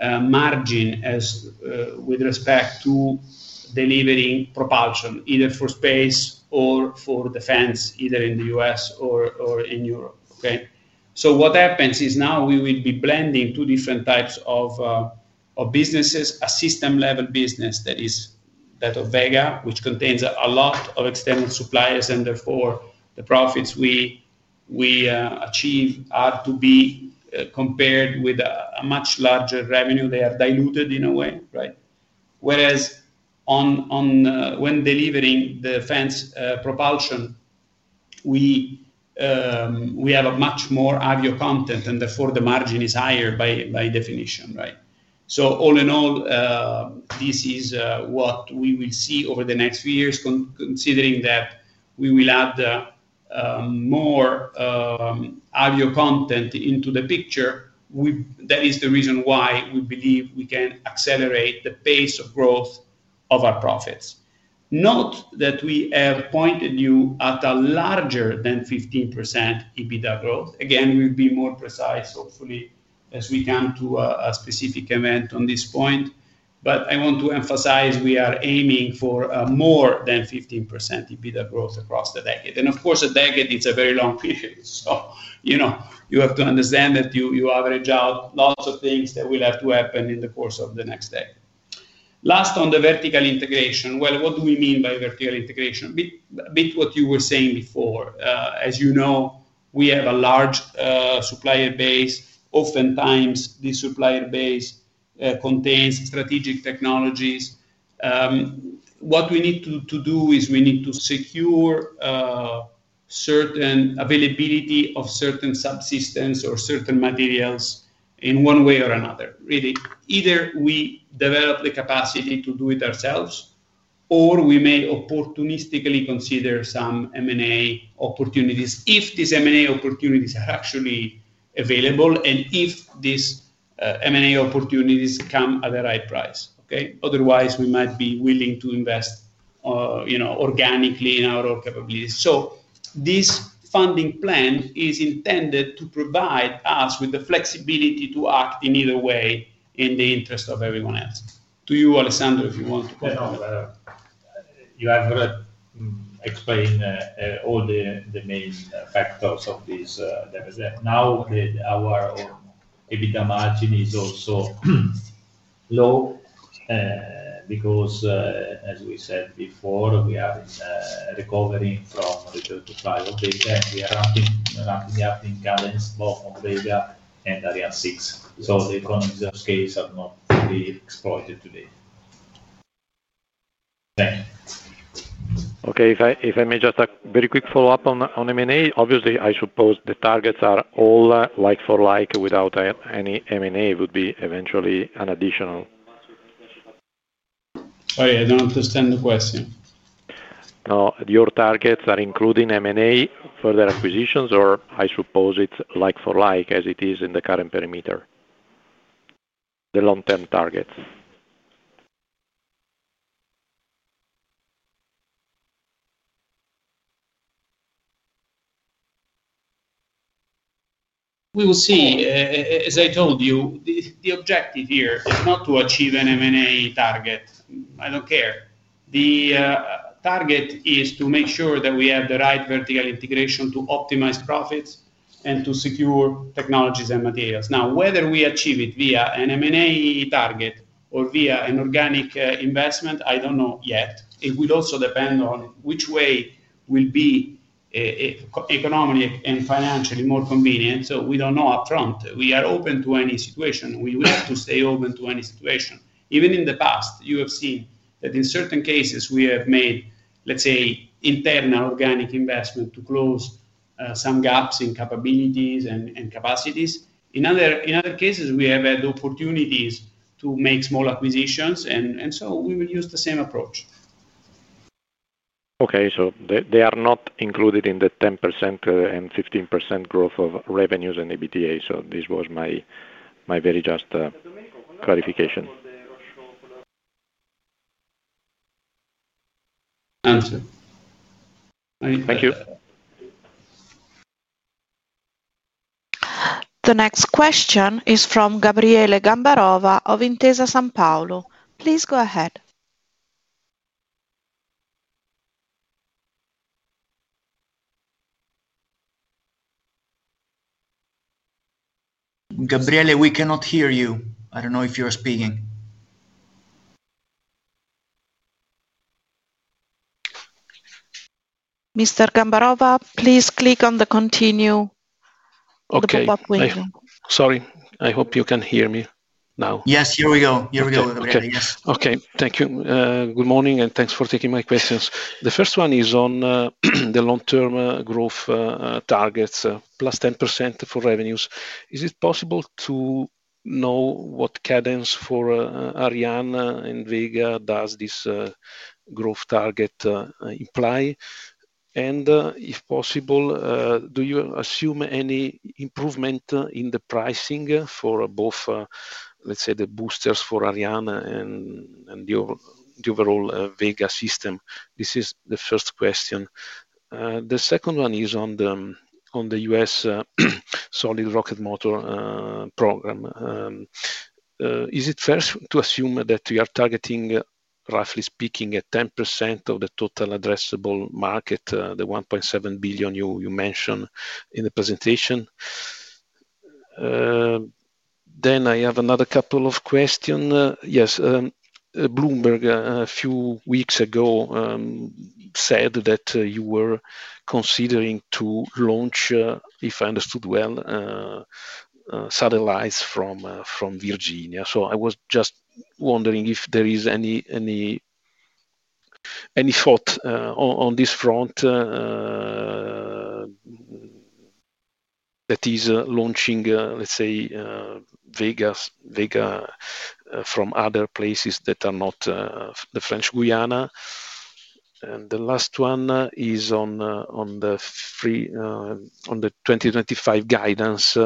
margin with respect to delivering propulsion either for space or for defense, either in the U.S. or in Europe. What happens is now we will be blending two different types of businesses, a system-level business that is that of Vega, which contains a lot of external suppliers, and therefore the profits we achieve are to be compared with a much larger revenue. They are diluted in a way, right? Whereas when delivering the defense propulsion, we have a much more Avio content, and therefore the margin is higher by definition, right? All in all, this is what we will see over the next few years, considering that we will add more Avio content into the picture. That is the reason why we believe we can accelerate the pace of growth of our profits. Note that we have pointed you at a larger than 15% EBITDA growth. Again, we'll be more precise, hopefully, as we come to a specific event on this point. I want to emphasize we are aiming for more than 15% EBITDA growth across the decade. Of course, a decade is a very long period, so you have to understand that you average out lots of things that will have to happen in the course of the next decade. Last on the vertical integration. What do we mean by vertical integration? A bit what you were saying before. As you know, we have a large supplier base. Oftentimes, this supplier base contains strategic technologies. What we need to do is we need to secure certain availability of certain subsistence or certain materials in one way or another. Really, either we develop the capacity to do it ourselves, or we may opportunistically consider some M&A opportunities if these M&A opportunities are actually available and if these M&A opportunities come at the right price. Otherwise, we might be willing to invest organically in our own capabilities. This funding plan is intended to provide us with the flexibility to act in either way in the interest of everyone else. To you, Alessandro, if you want to. You have heard explained all the main factors of this. Now that our EBITDA margin is also low because, as we said before, we are recovering from return to flight operations. We are ramping up in Canada, in both Australia and Ariane 6, so the economies of scale are not really exploited today. Okay, if I may just take a very quick follow-up on M&A. Obviously, I suppose the targets are all like for like without any M&A. It would be eventually an additional. Sorry, I don't understand the question. No, your targets are including M&A for the acquisitions, or I suppose it's like for like as it is in the current perimeter, the long-term targets. We will see. As I told you, the objective here, if not to achieve an M&A target, I don't care. The target is to make sure that we have the right vertical integration to optimize profits and to secure technologies and materials. Now, whether we achieve it via an M&A target or via an organic investment, I don't know yet. It will also depend on which way will be economic and financially more convenient, so we don't know upfront. We are open to any situation. We will have to stay open to any situation. Even in the past, you have seen that in certain cases we have made, let's say, internal organic investment to close some gaps in capabilities and capacities. In other cases, we have had opportunities to make small acquisitions, and we will use the same approach. Okay, they are not included in the 10% and 15% growth of revenues and EBITDA. This was my very just clarification. Thank you. The next question is from Gabriele Gambarova of Intesa Sanpaolo. Please go ahead. Gabriele, we cannot hear you. I don't know if you are speaking. Mr. Gambarova, please click on the Continue at the top window. Sorry, I hope you can hear me now. Here we go, Gabriele. Yes. Okay, thank you. Good morning and thanks for taking my questions. The first one is on the long-term growth targets, plus 10% for revenues. Is it possible to know what cadence for Ariane and Vega does this growth target imply? If possible, do you assume any improvement in the pricing for both, let's say, the boosters for Ariane and the overall Vega system? This is the first question. The second one is on the U.S. solid rocket motor program. Is it fair to assume that we are targeting, roughly speaking, 10% of the total addressable market, the $1.7 billion you mentioned in the presentation? I have another couple of questions. Bloomberg, a few weeks ago, said that you were considering to launch, if I understood well, satellites from Virginia. I was just wondering if there is any thought on this front that is launching, let's say, Vega from other places that are not the French Guiana. The last one is on the 2025 guidance.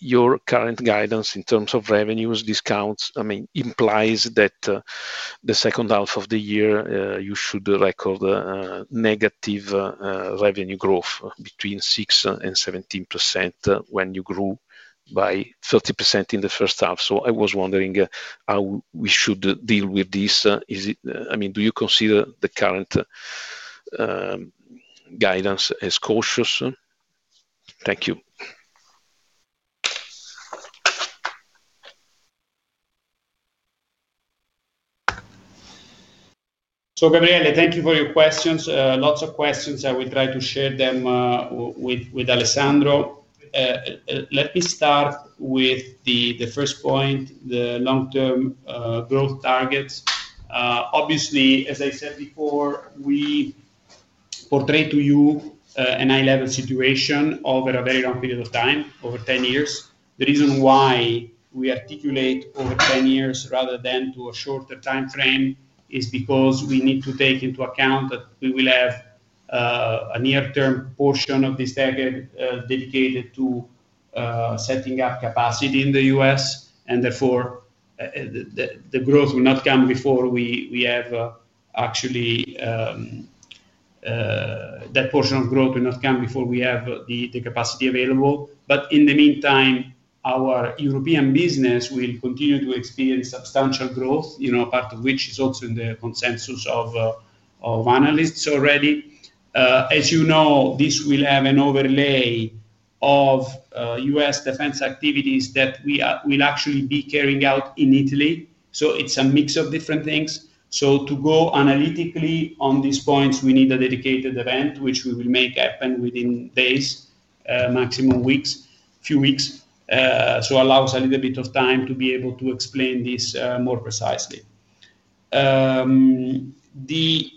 Your current guidance in terms of revenues, discounts, I mean, implies that the second half of the year you should record negative revenue growth between 6% and 17% when you grew by 30% in the first half. I was wondering how we should deal with this. Do you consider the current guidance as cautious? Thank you. Gabriele, thank you for your questions. Lots of questions. I will try to share them with Alessandro. Let me start with the first point, the long-term growth targets. Obviously, as I said before, we portray to you an eye-level situation over a very long period of time, over 10 years. The reason why we articulate over 10 years rather than to a shorter timeframe is because we need to take into account that we will have a near-term portion of this decade dedicated to setting up capacity in the U.S., and therefore the growth will not come before we have actually that portion of growth will not come before we have the capacity available. In the meantime, our European business will continue to experience substantial growth, part of which is also in the consensus of analysts already. As you know, this will have an overlay of U.S. defense activities that we will actually be carrying out in Italy. It's a mix of different things. To go analytically on these points, we need a dedicated event, which we will make happen within days, maximum weeks, a few weeks. Allow us a little bit of time to be able to explain this more precisely. The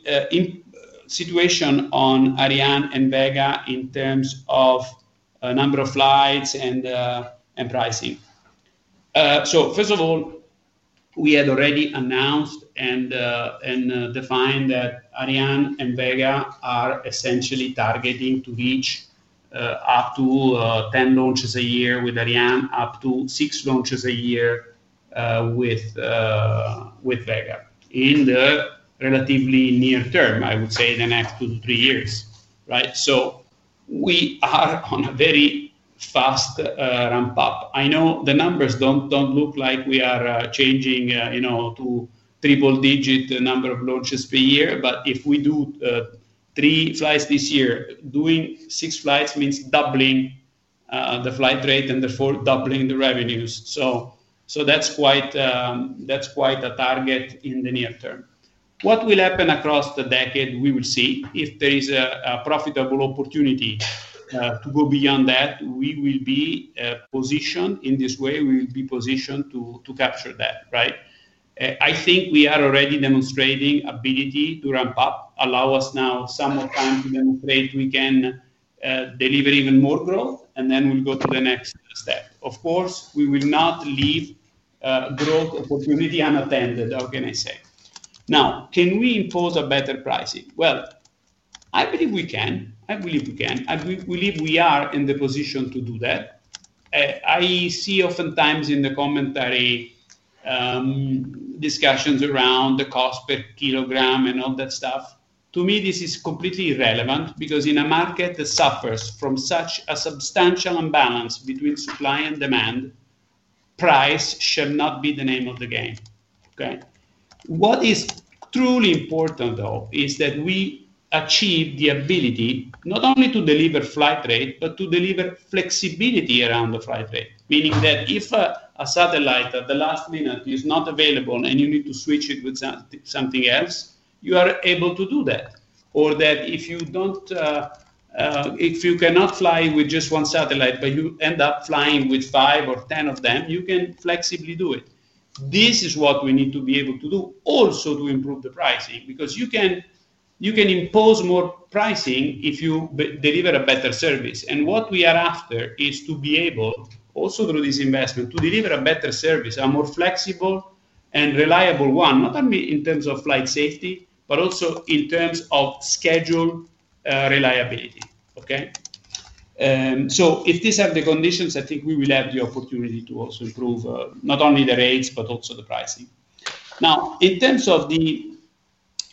situation on Ariane and Vega in terms of a number of flights and pricing. First of all, we had already announced and defined that Ariane and Vega are essentially targeting to reach up to 10 launches a year with Ariane, up to six launches a year with Vega in the relatively near term, I would say the next two to three years, right? We are on a very fast ramp-up. I know the numbers don't look like we are changing to triple-digit number of launches per year, but if we do three flights this year, doing six flights means doubling the flight rate and therefore doubling the revenues. That's quite a target in the near term. What will happen across the decade, we will see. If there is a profitable opportunity to go beyond that, we will be positioned in this way. We will be positioned to capture that, right? I think we are already demonstrating the ability to ramp up. Allow us now some more time to demonstrate we can deliver even more growth, and then we'll go to the next step. Of course, we will not leave growth opportunity unattended. How can I say? Can we impose a better pricing? I believe we can. I believe we can. I believe we are in the position to do that. I see oftentimes in the commentary discussions around the cost per kilogram and all that stuff. To me, this is completely irrelevant because in a market that suffers from such a substantial imbalance between supply and demand, price shall not be the name of the game. What is truly important, though, is that we achieve the ability not only to deliver flight rate, but to deliver flexibility around the flight rate, meaning that if a satellite at the last minute is not available and you need to switch it with something else, you are able to do that. If you cannot fly with just one satellite, but you end up flying with five or ten of them, you can flexibly do it. This is what we need to be able to do also to improve the pricing because you can impose more pricing if you deliver a better service. What we are after is to be able, also through this investment, to deliver a better service, a more flexible and reliable one, not only in terms of flight safety, but also in terms of schedule reliability. If these are the conditions, I think we will have the opportunity to also improve not only the rates, but also the pricing. In terms of the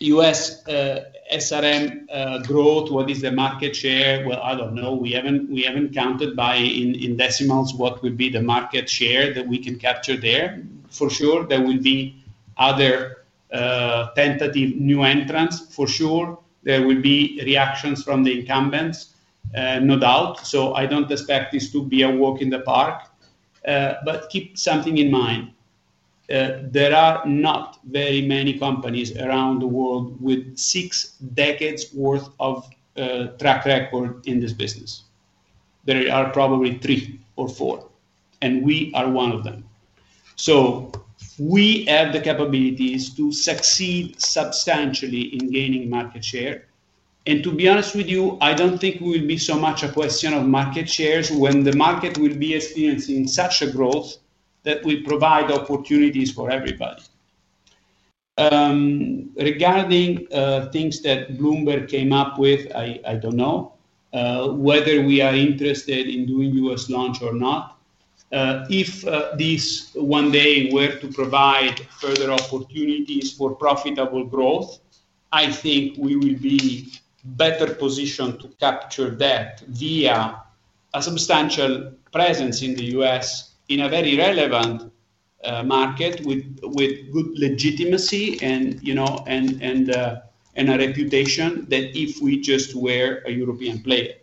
U.S. solid rocket motor growth, what is the market share? I don't know. We haven't counted by in decimals what will be the market share that we can capture there. For sure, there will be other tentative new entrants. For sure, there will be reactions from the incumbents, no doubt. I don't expect this to be a walk in the park, but keep something in mind. There are not very many companies around the world with six decades' worth of track record in this business. There are probably three or four, and we are one of them. We have the capabilities to succeed substantially in gaining market share. To be honest with you, I don't think it will be so much a question of market shares when the market will be experiencing such a growth that will provide opportunities for everybody. Regarding things that Bloomberg came up with, I don't know whether we are interested in doing U.S. launch or not. If this one day were to provide further opportunities for profitable growth, I think we will be better positioned to capture that via a substantial presence in the U.S. in a very relevant market with good legitimacy and a reputation than if we just were a European player.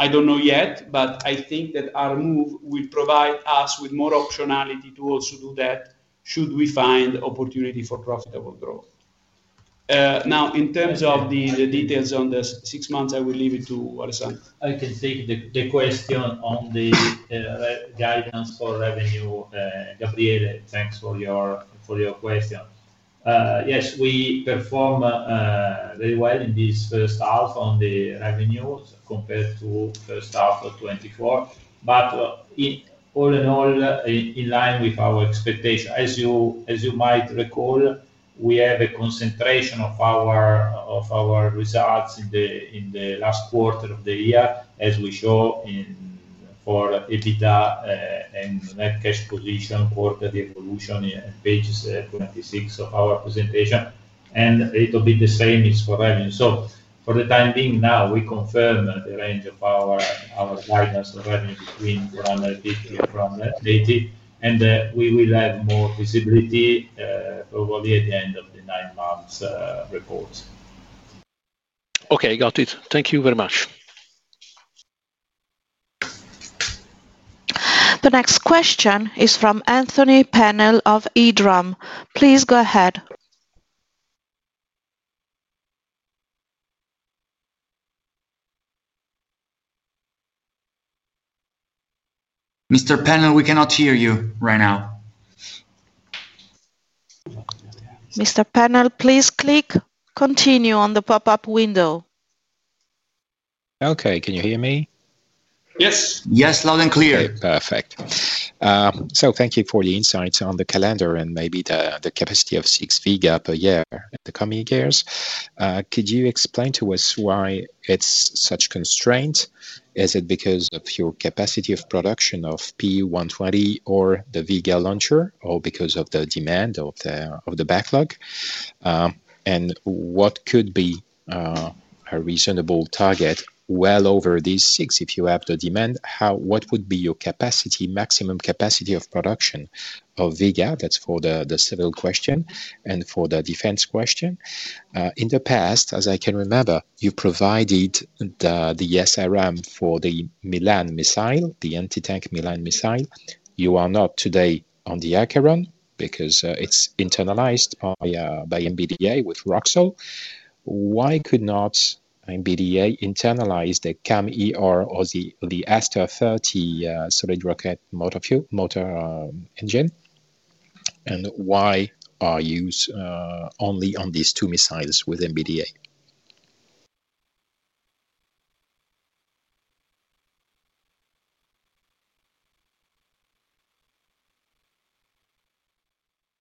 I don't know yet, but I think that our move will provide us with more optionality to also do that should we find opportunity for profitable growth. In terms of the details on the six months, I will leave it to Alessandro. I can take the question on the guidance for revenue. Gabriele, thanks for your question. Yes, we perform very well in this first half on the revenues compared to the first half of 2024, but all in all, in line with our expectations. As you might recall, we have a concentration of our results in the last quarter of the year, as we saw for EBITDA and net cash position quarterly evolution and page 26 of our concentration, and it will be the same for revenue. For the time being now, we confirm the range of our guidance for revenue between €250 million and €380 million, and we will have more visibility probably at the end of the nine months report. Okay, got it. Thank you very much. The next question is from Anthony Pennell of EDRAM. Please go ahead. Mr. Pennell, we cannot hear you right now. Mr. Pennell, please click Continue on the pop-up window. Okay, can you hear me? Yes. Yes, loud and clear. Okay, perfect. Thank you for the insights on the calendar and maybe the capacity of six Vega per year in the coming years. Could you explain to us why it's such a constraint? Is it because of your capacity of production of P120 or the Vega launcher, or because of the demand of the backlog? What could be a reasonable target well over these six? If you have the demand, what would be your maximum capacity of production of Vega? That's for the civil question. For the defense question, in the past, as I can remember, you provided the SRM for the Milan missile, the anti-tank Milan missile. You are not today on the Acheron because it's internalized by MBDA with ROXUL. Why could not MBDA internalize the CAM or the Aster 30 solid rocket motor engine? Why are you only on these two missiles with MBDA?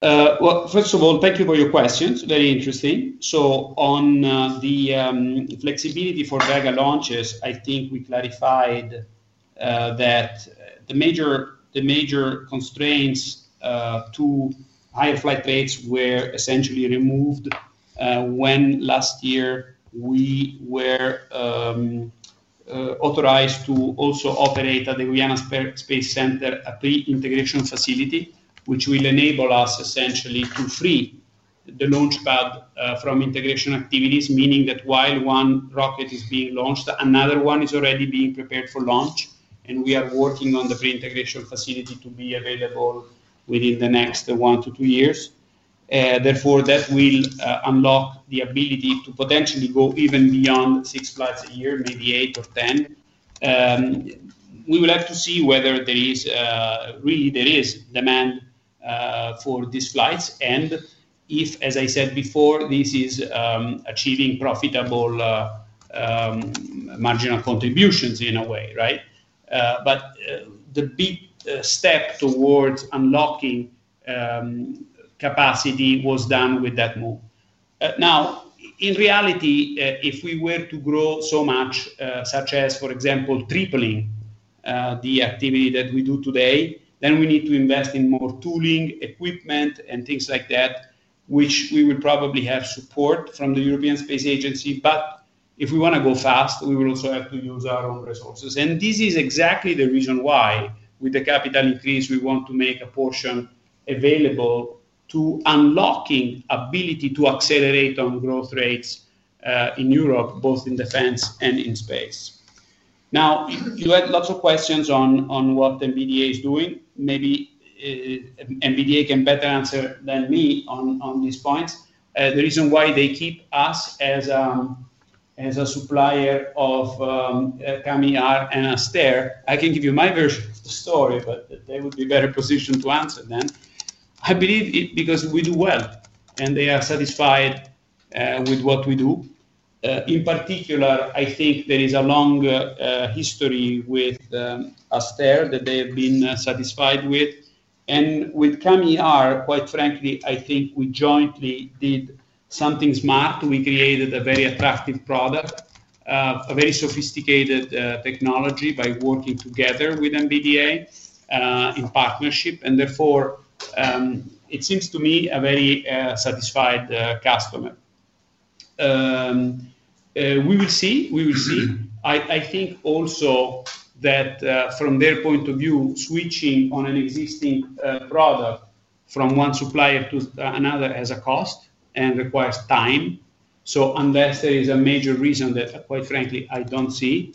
Thank you for your questions. Very interesting. On the flexibility for Vega launches, I think we clarified that the major constraints to higher flight rates were essentially removed when last year we were authorized to also operate at the Guyana Space Center a pre-integration facility, which will enable us essentially to free the launch pad from integration activities, meaning that while one rocket is being launched, another one is already being prepared for launch, and we are working on the pre-integration facility to be available within the next one to two years. Therefore, that will unlock the ability to. Actually, Go even beyond six flights a year, maybe eight or ten. We will have to see whether there is really demand for these flights. If, as I said before, this is achieving profitable marginal contributions in a way, right? The big step towards unlocking capacity was done with that move. Now, in reality, if we were to grow so much, such as, for example, tripling the activity that we do today, then we need to invest in more tooling, equipment, and things like that, which we will probably have support from the European Space Agency. If we want to go fast, we will also have to use our own resources. This is exactly the reason why, with the capital increase, we want to make a portion available to unlock the ability to accelerate on growth rates in Europe, both in defense and in space. Now, you had lots of questions on what MBDA is doing. Maybe MBDA can better answer than me on these points. The reason why they keep us as a supplier of Camioar and Astere, I can give you my version of the story, but they would be better positioned to answer then. I believe it's because we do well and they are satisfied with what we do. In particular, I think there is a long history with Astere that they have been satisfied with. With Camioar, quite frankly, I think we jointly did something smart. We created a very attractive product, a very sophisticated technology by working together with MBDA in partnership. Therefore, it seems to me a very satisfied customer. We will see. I think also that, from their point of view, switching on an existing product from one supplier to another has a cost and requires time. Unless there is a major reason that, quite frankly, I don't see,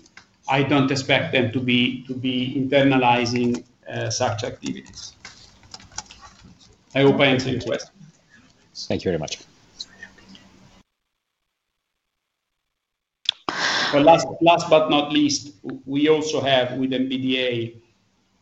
I don't expect them to be internalizing such activities. I hope I answered your question. Thank you very much. Last but not least, we also have, with MBDA,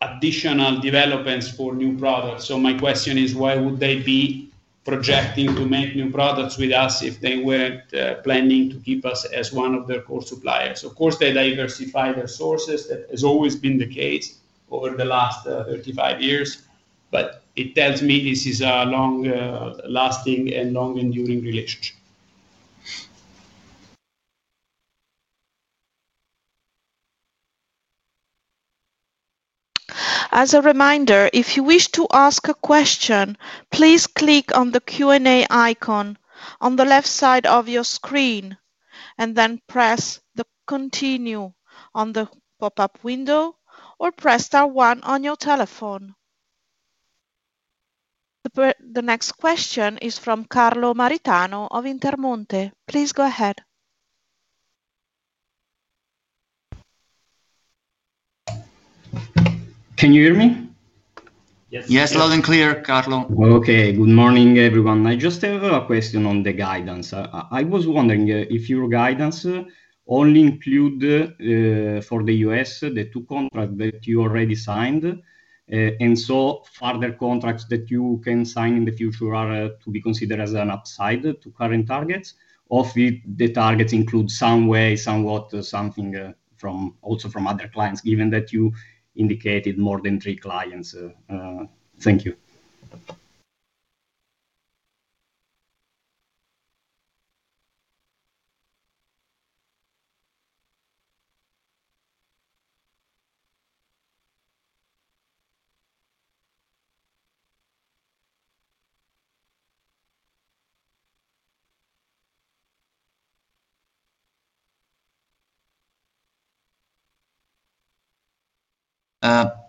additional developments for new products. My question is, why would they be projecting to make new products with us if they weren't planning to keep us as one of their core suppliers? Of course, they diversify their sources. That has always been the case over the last 35 years. It tells me this is a long-lasting and long-enduring relationship. As a reminder, if you wish to ask a question, please click on the Q&A icon on the left side of your screen and then press continue on the pop-up window or press star one on your telephone. The next question is from Carlo Maritano of Intermonte. Please go ahead. Can you hear me? Yes, loud and clear, Carlo. Okay. Good morning, everyone. I just have a question on the guidance. I was wondering if your guidance only includes, for the U.S., the two contracts that you already signed, and so further contracts that you can sign in the future are to be considered as an upside to current targets, or if the targets include some way, somewhat something, from also from other clients, given that you indicated more than three clients. Thank you.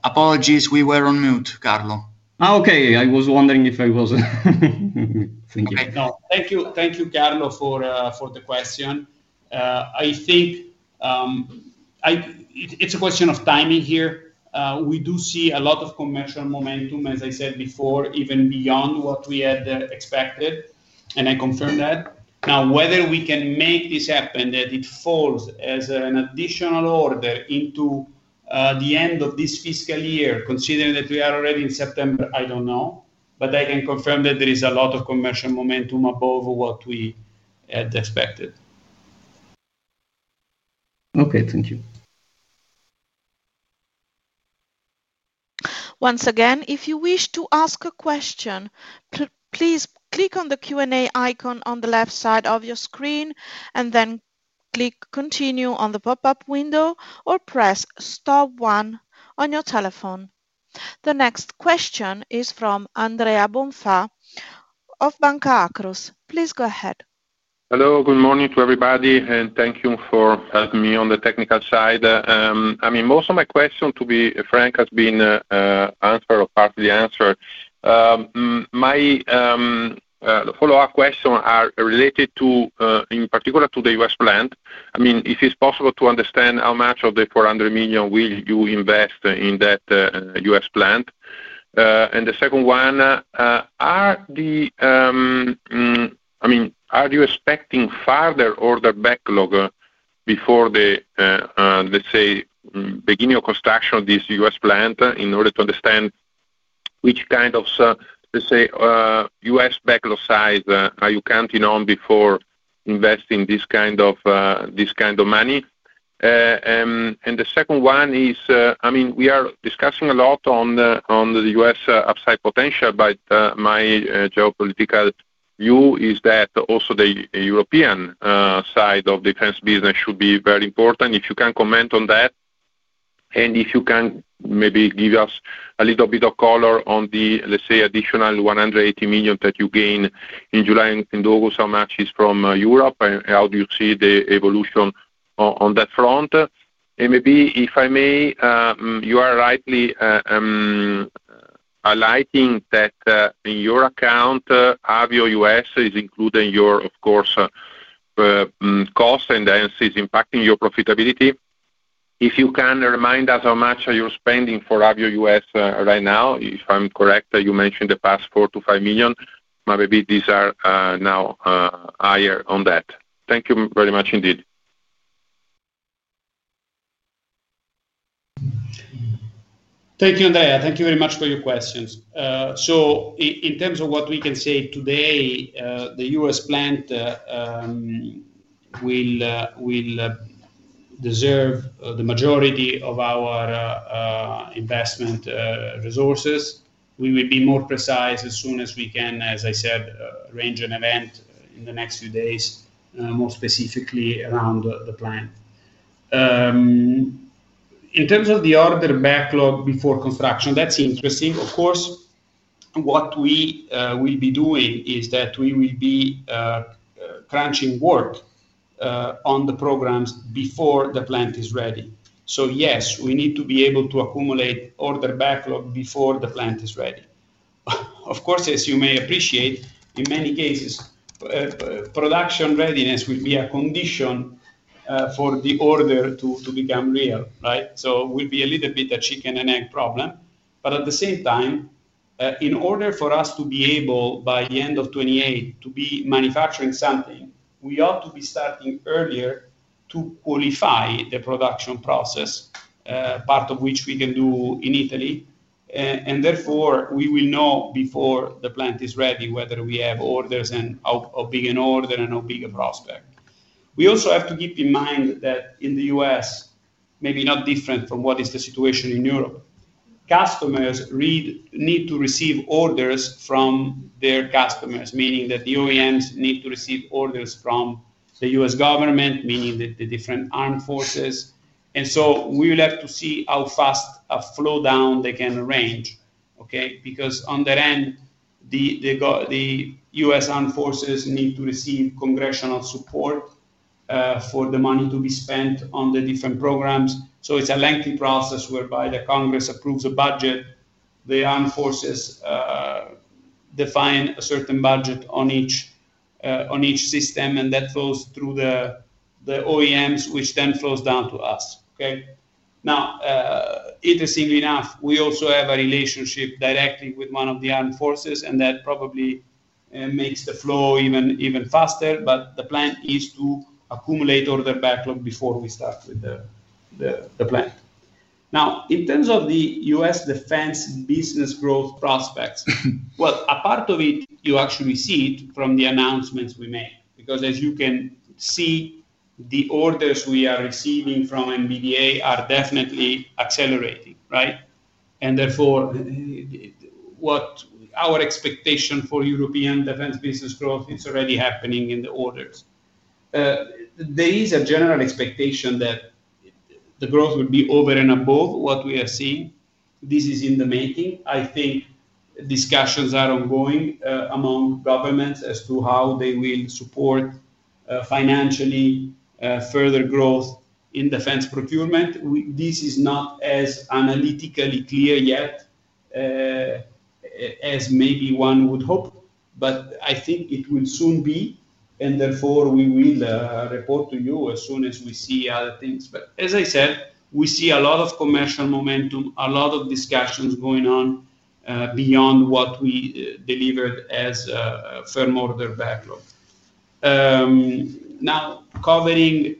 Apologies, we were on mute, Carlo. Okay, I was wondering if I was on. Thank you. Thank you. Thank you, Carlo, for the question. I think it's a question of timing here. We do see a lot of commercial momentum, as I said before, even beyond what we had expected. I confirm that. Now, whether we can make this happen, that it falls as an additional order into the end of this fiscal year, considering that we are already in September, I don't know. I can confirm that there is a lot of commercial momentum above what we had expected. Okay, thank you. Once again, if you wish to ask a question, please click on the Q&A icon on the left side of your screen and then click continue on the pop-up window or press star one on your telephone. The next question is from Andrea Bonfà of Banca Akros. Please go ahead. Hello. Good morning to everybody, and thank you for having me on the technical side. Most of my questions, to be frank, have been answered or partly answered. My follow-up questions are related in particular to the U.S. plant. Is it possible to understand how much of the $400 million will you invest in that U.S. plant? The second one, are you expecting further order backlog before the beginning of construction of this U.S. plant in order to understand which kind of U.S. backlog size are you counting on before investing this kind of money? We are discussing a lot on the U.S. upside potential, but my geopolitical view is that also the European side of defense business should be very important. If you can comment on that, and if you can maybe give us a little bit of color on the additional $180 million that you gained in July and August, how much is from Europe and how do you see the evolution on that front? If I may, you are rightly highlighting that in your account, Avio U.S. is included in your cost and hence is impacting your profitability. If you can remind us how much you're spending for Avio U.S. right now, if I'm correct, you mentioned in the past $4 to $5 million. Maybe these are now higher on that. Thank you very much indeed. Thank you, Andrea. Thank you very much for your questions. In terms of what we can say today, the U.S. plant will deserve the majority of our investment resources. We will be more precise as soon as we can, as I said, arrange an event in the next few days, more specifically around the plant. In terms of the order backlog before construction, that's interesting. Of course, what we will be doing is that we will be crunching work on the programs before the plant is ready. Yes, we need to be able to accumulate order backlog before the plant is ready. Of course, as you may appreciate, in many cases, production readiness will be a condition for the order to become real, right? It will be a little bit of a chicken and egg problem. At the same time, in order for us to be able, by the end of 2028, to be manufacturing something, we ought to be starting earlier to qualify the production process, part of which we can do in Italy. Therefore, we will know before the plant is ready whether we have orders and how big an order and how big a prospect. We also have to keep in mind that in the U.S., maybe not different from what is the situation in Europe, customers need to receive orders from their customers, meaning that the OEMs need to receive orders from the U.S. government, meaning that the different armed forces. We will have to see how fast a flow down they can arrange, okay? Because on their end, the U.S. Armed Forces need to receive congressional support for the money to be spent on the different programs. It's a lengthy process whereby the Congress approves a budget, the armed forces define a certain budget on each system, and that flows through the OEMs, which then flows down to us. Interestingly enough, we also have a relationship directly with one of the armed forces, and that probably makes the flow even faster. The plan is to accumulate order backlog before we start with the plant. In terms of the U.S. defense business growth prospects, a part of it, you actually see it from the announcements we make. As you can see, the orders we are receiving from MBDA are definitely accelerating, right? Therefore, what our expectation for European defense business growth, it's already happening in the orders. There is a general expectation that the growth would be over and above what we are seeing. This is in the making. I think discussions are ongoing among governments as to how they will support, financially, further growth in defense procurement. This is not as analytically clear yet, as maybe one would hope. I think it will soon be. Therefore, we will report to you as soon as we see other things. As I said, we see a lot of commercial momentum, a lot of discussions going on, beyond what we delivered as firm order backlog. Now, covering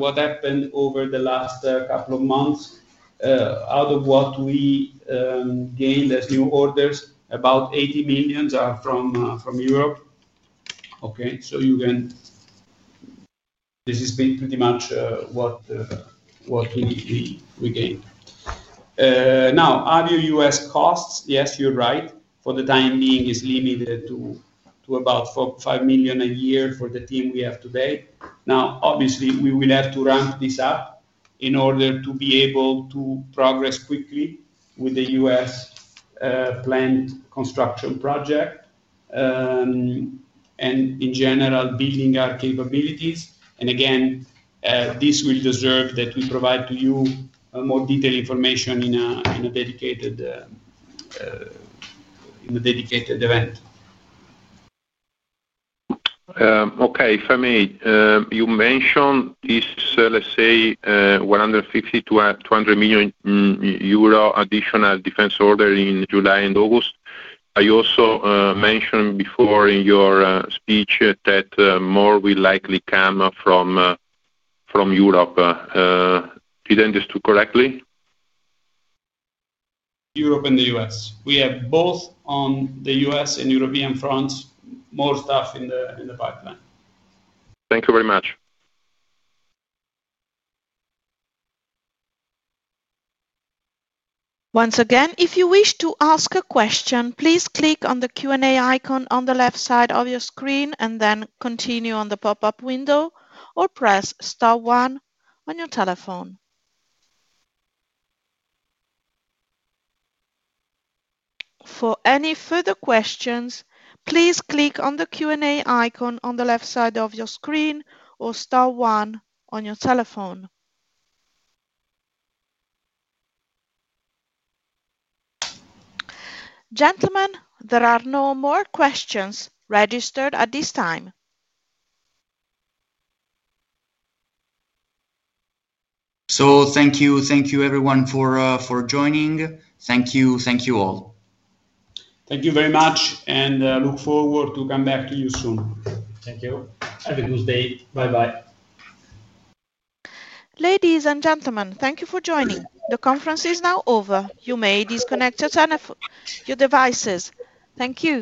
what happened over the last couple of months, out of what we gained as new orders, about €80 million are from Europe. Okay? You can see this has been pretty much what we gained. Now, Avio U.S. costs, yes, you're right. For the time being, it's limited to about $4 to $5 million a year for the team we have today. Obviously, we will have to ramp this up in order to be able to progress quickly with the U.S. plant construction project and, in general, building our capabilities. Again, this will deserve that we provide to you more detailed information in a dedicated event. Okay. If I may, you mentioned this, let's say, €150 million to €200 million additional defense order in July and August. I also mentioned before in your speech that more will likely come from Europe. Did I understand correctly? Europe and the U.S. We have both on the U.S. and European front, more stuff in the pipeline. Thank you very much. Once again, if you wish to ask a question, please click on the Q&A icon on the left side of your screen and then continue on the pop-up window or press star one on your telephone. For any further questions, please click on the Q&A icon on the left side of your screen or star one on your telephone. Gentlemen, there are no more questions registered at this time. Thank you, everyone, for joining. Thank you. Thank you all. Thank you very much, and look forward to come back to you soon. Thank you. Have a good day. Bye-bye. Ladies and gentlemen, thank you for joining. The conference is now over. You may disconnect your devices. Thank you.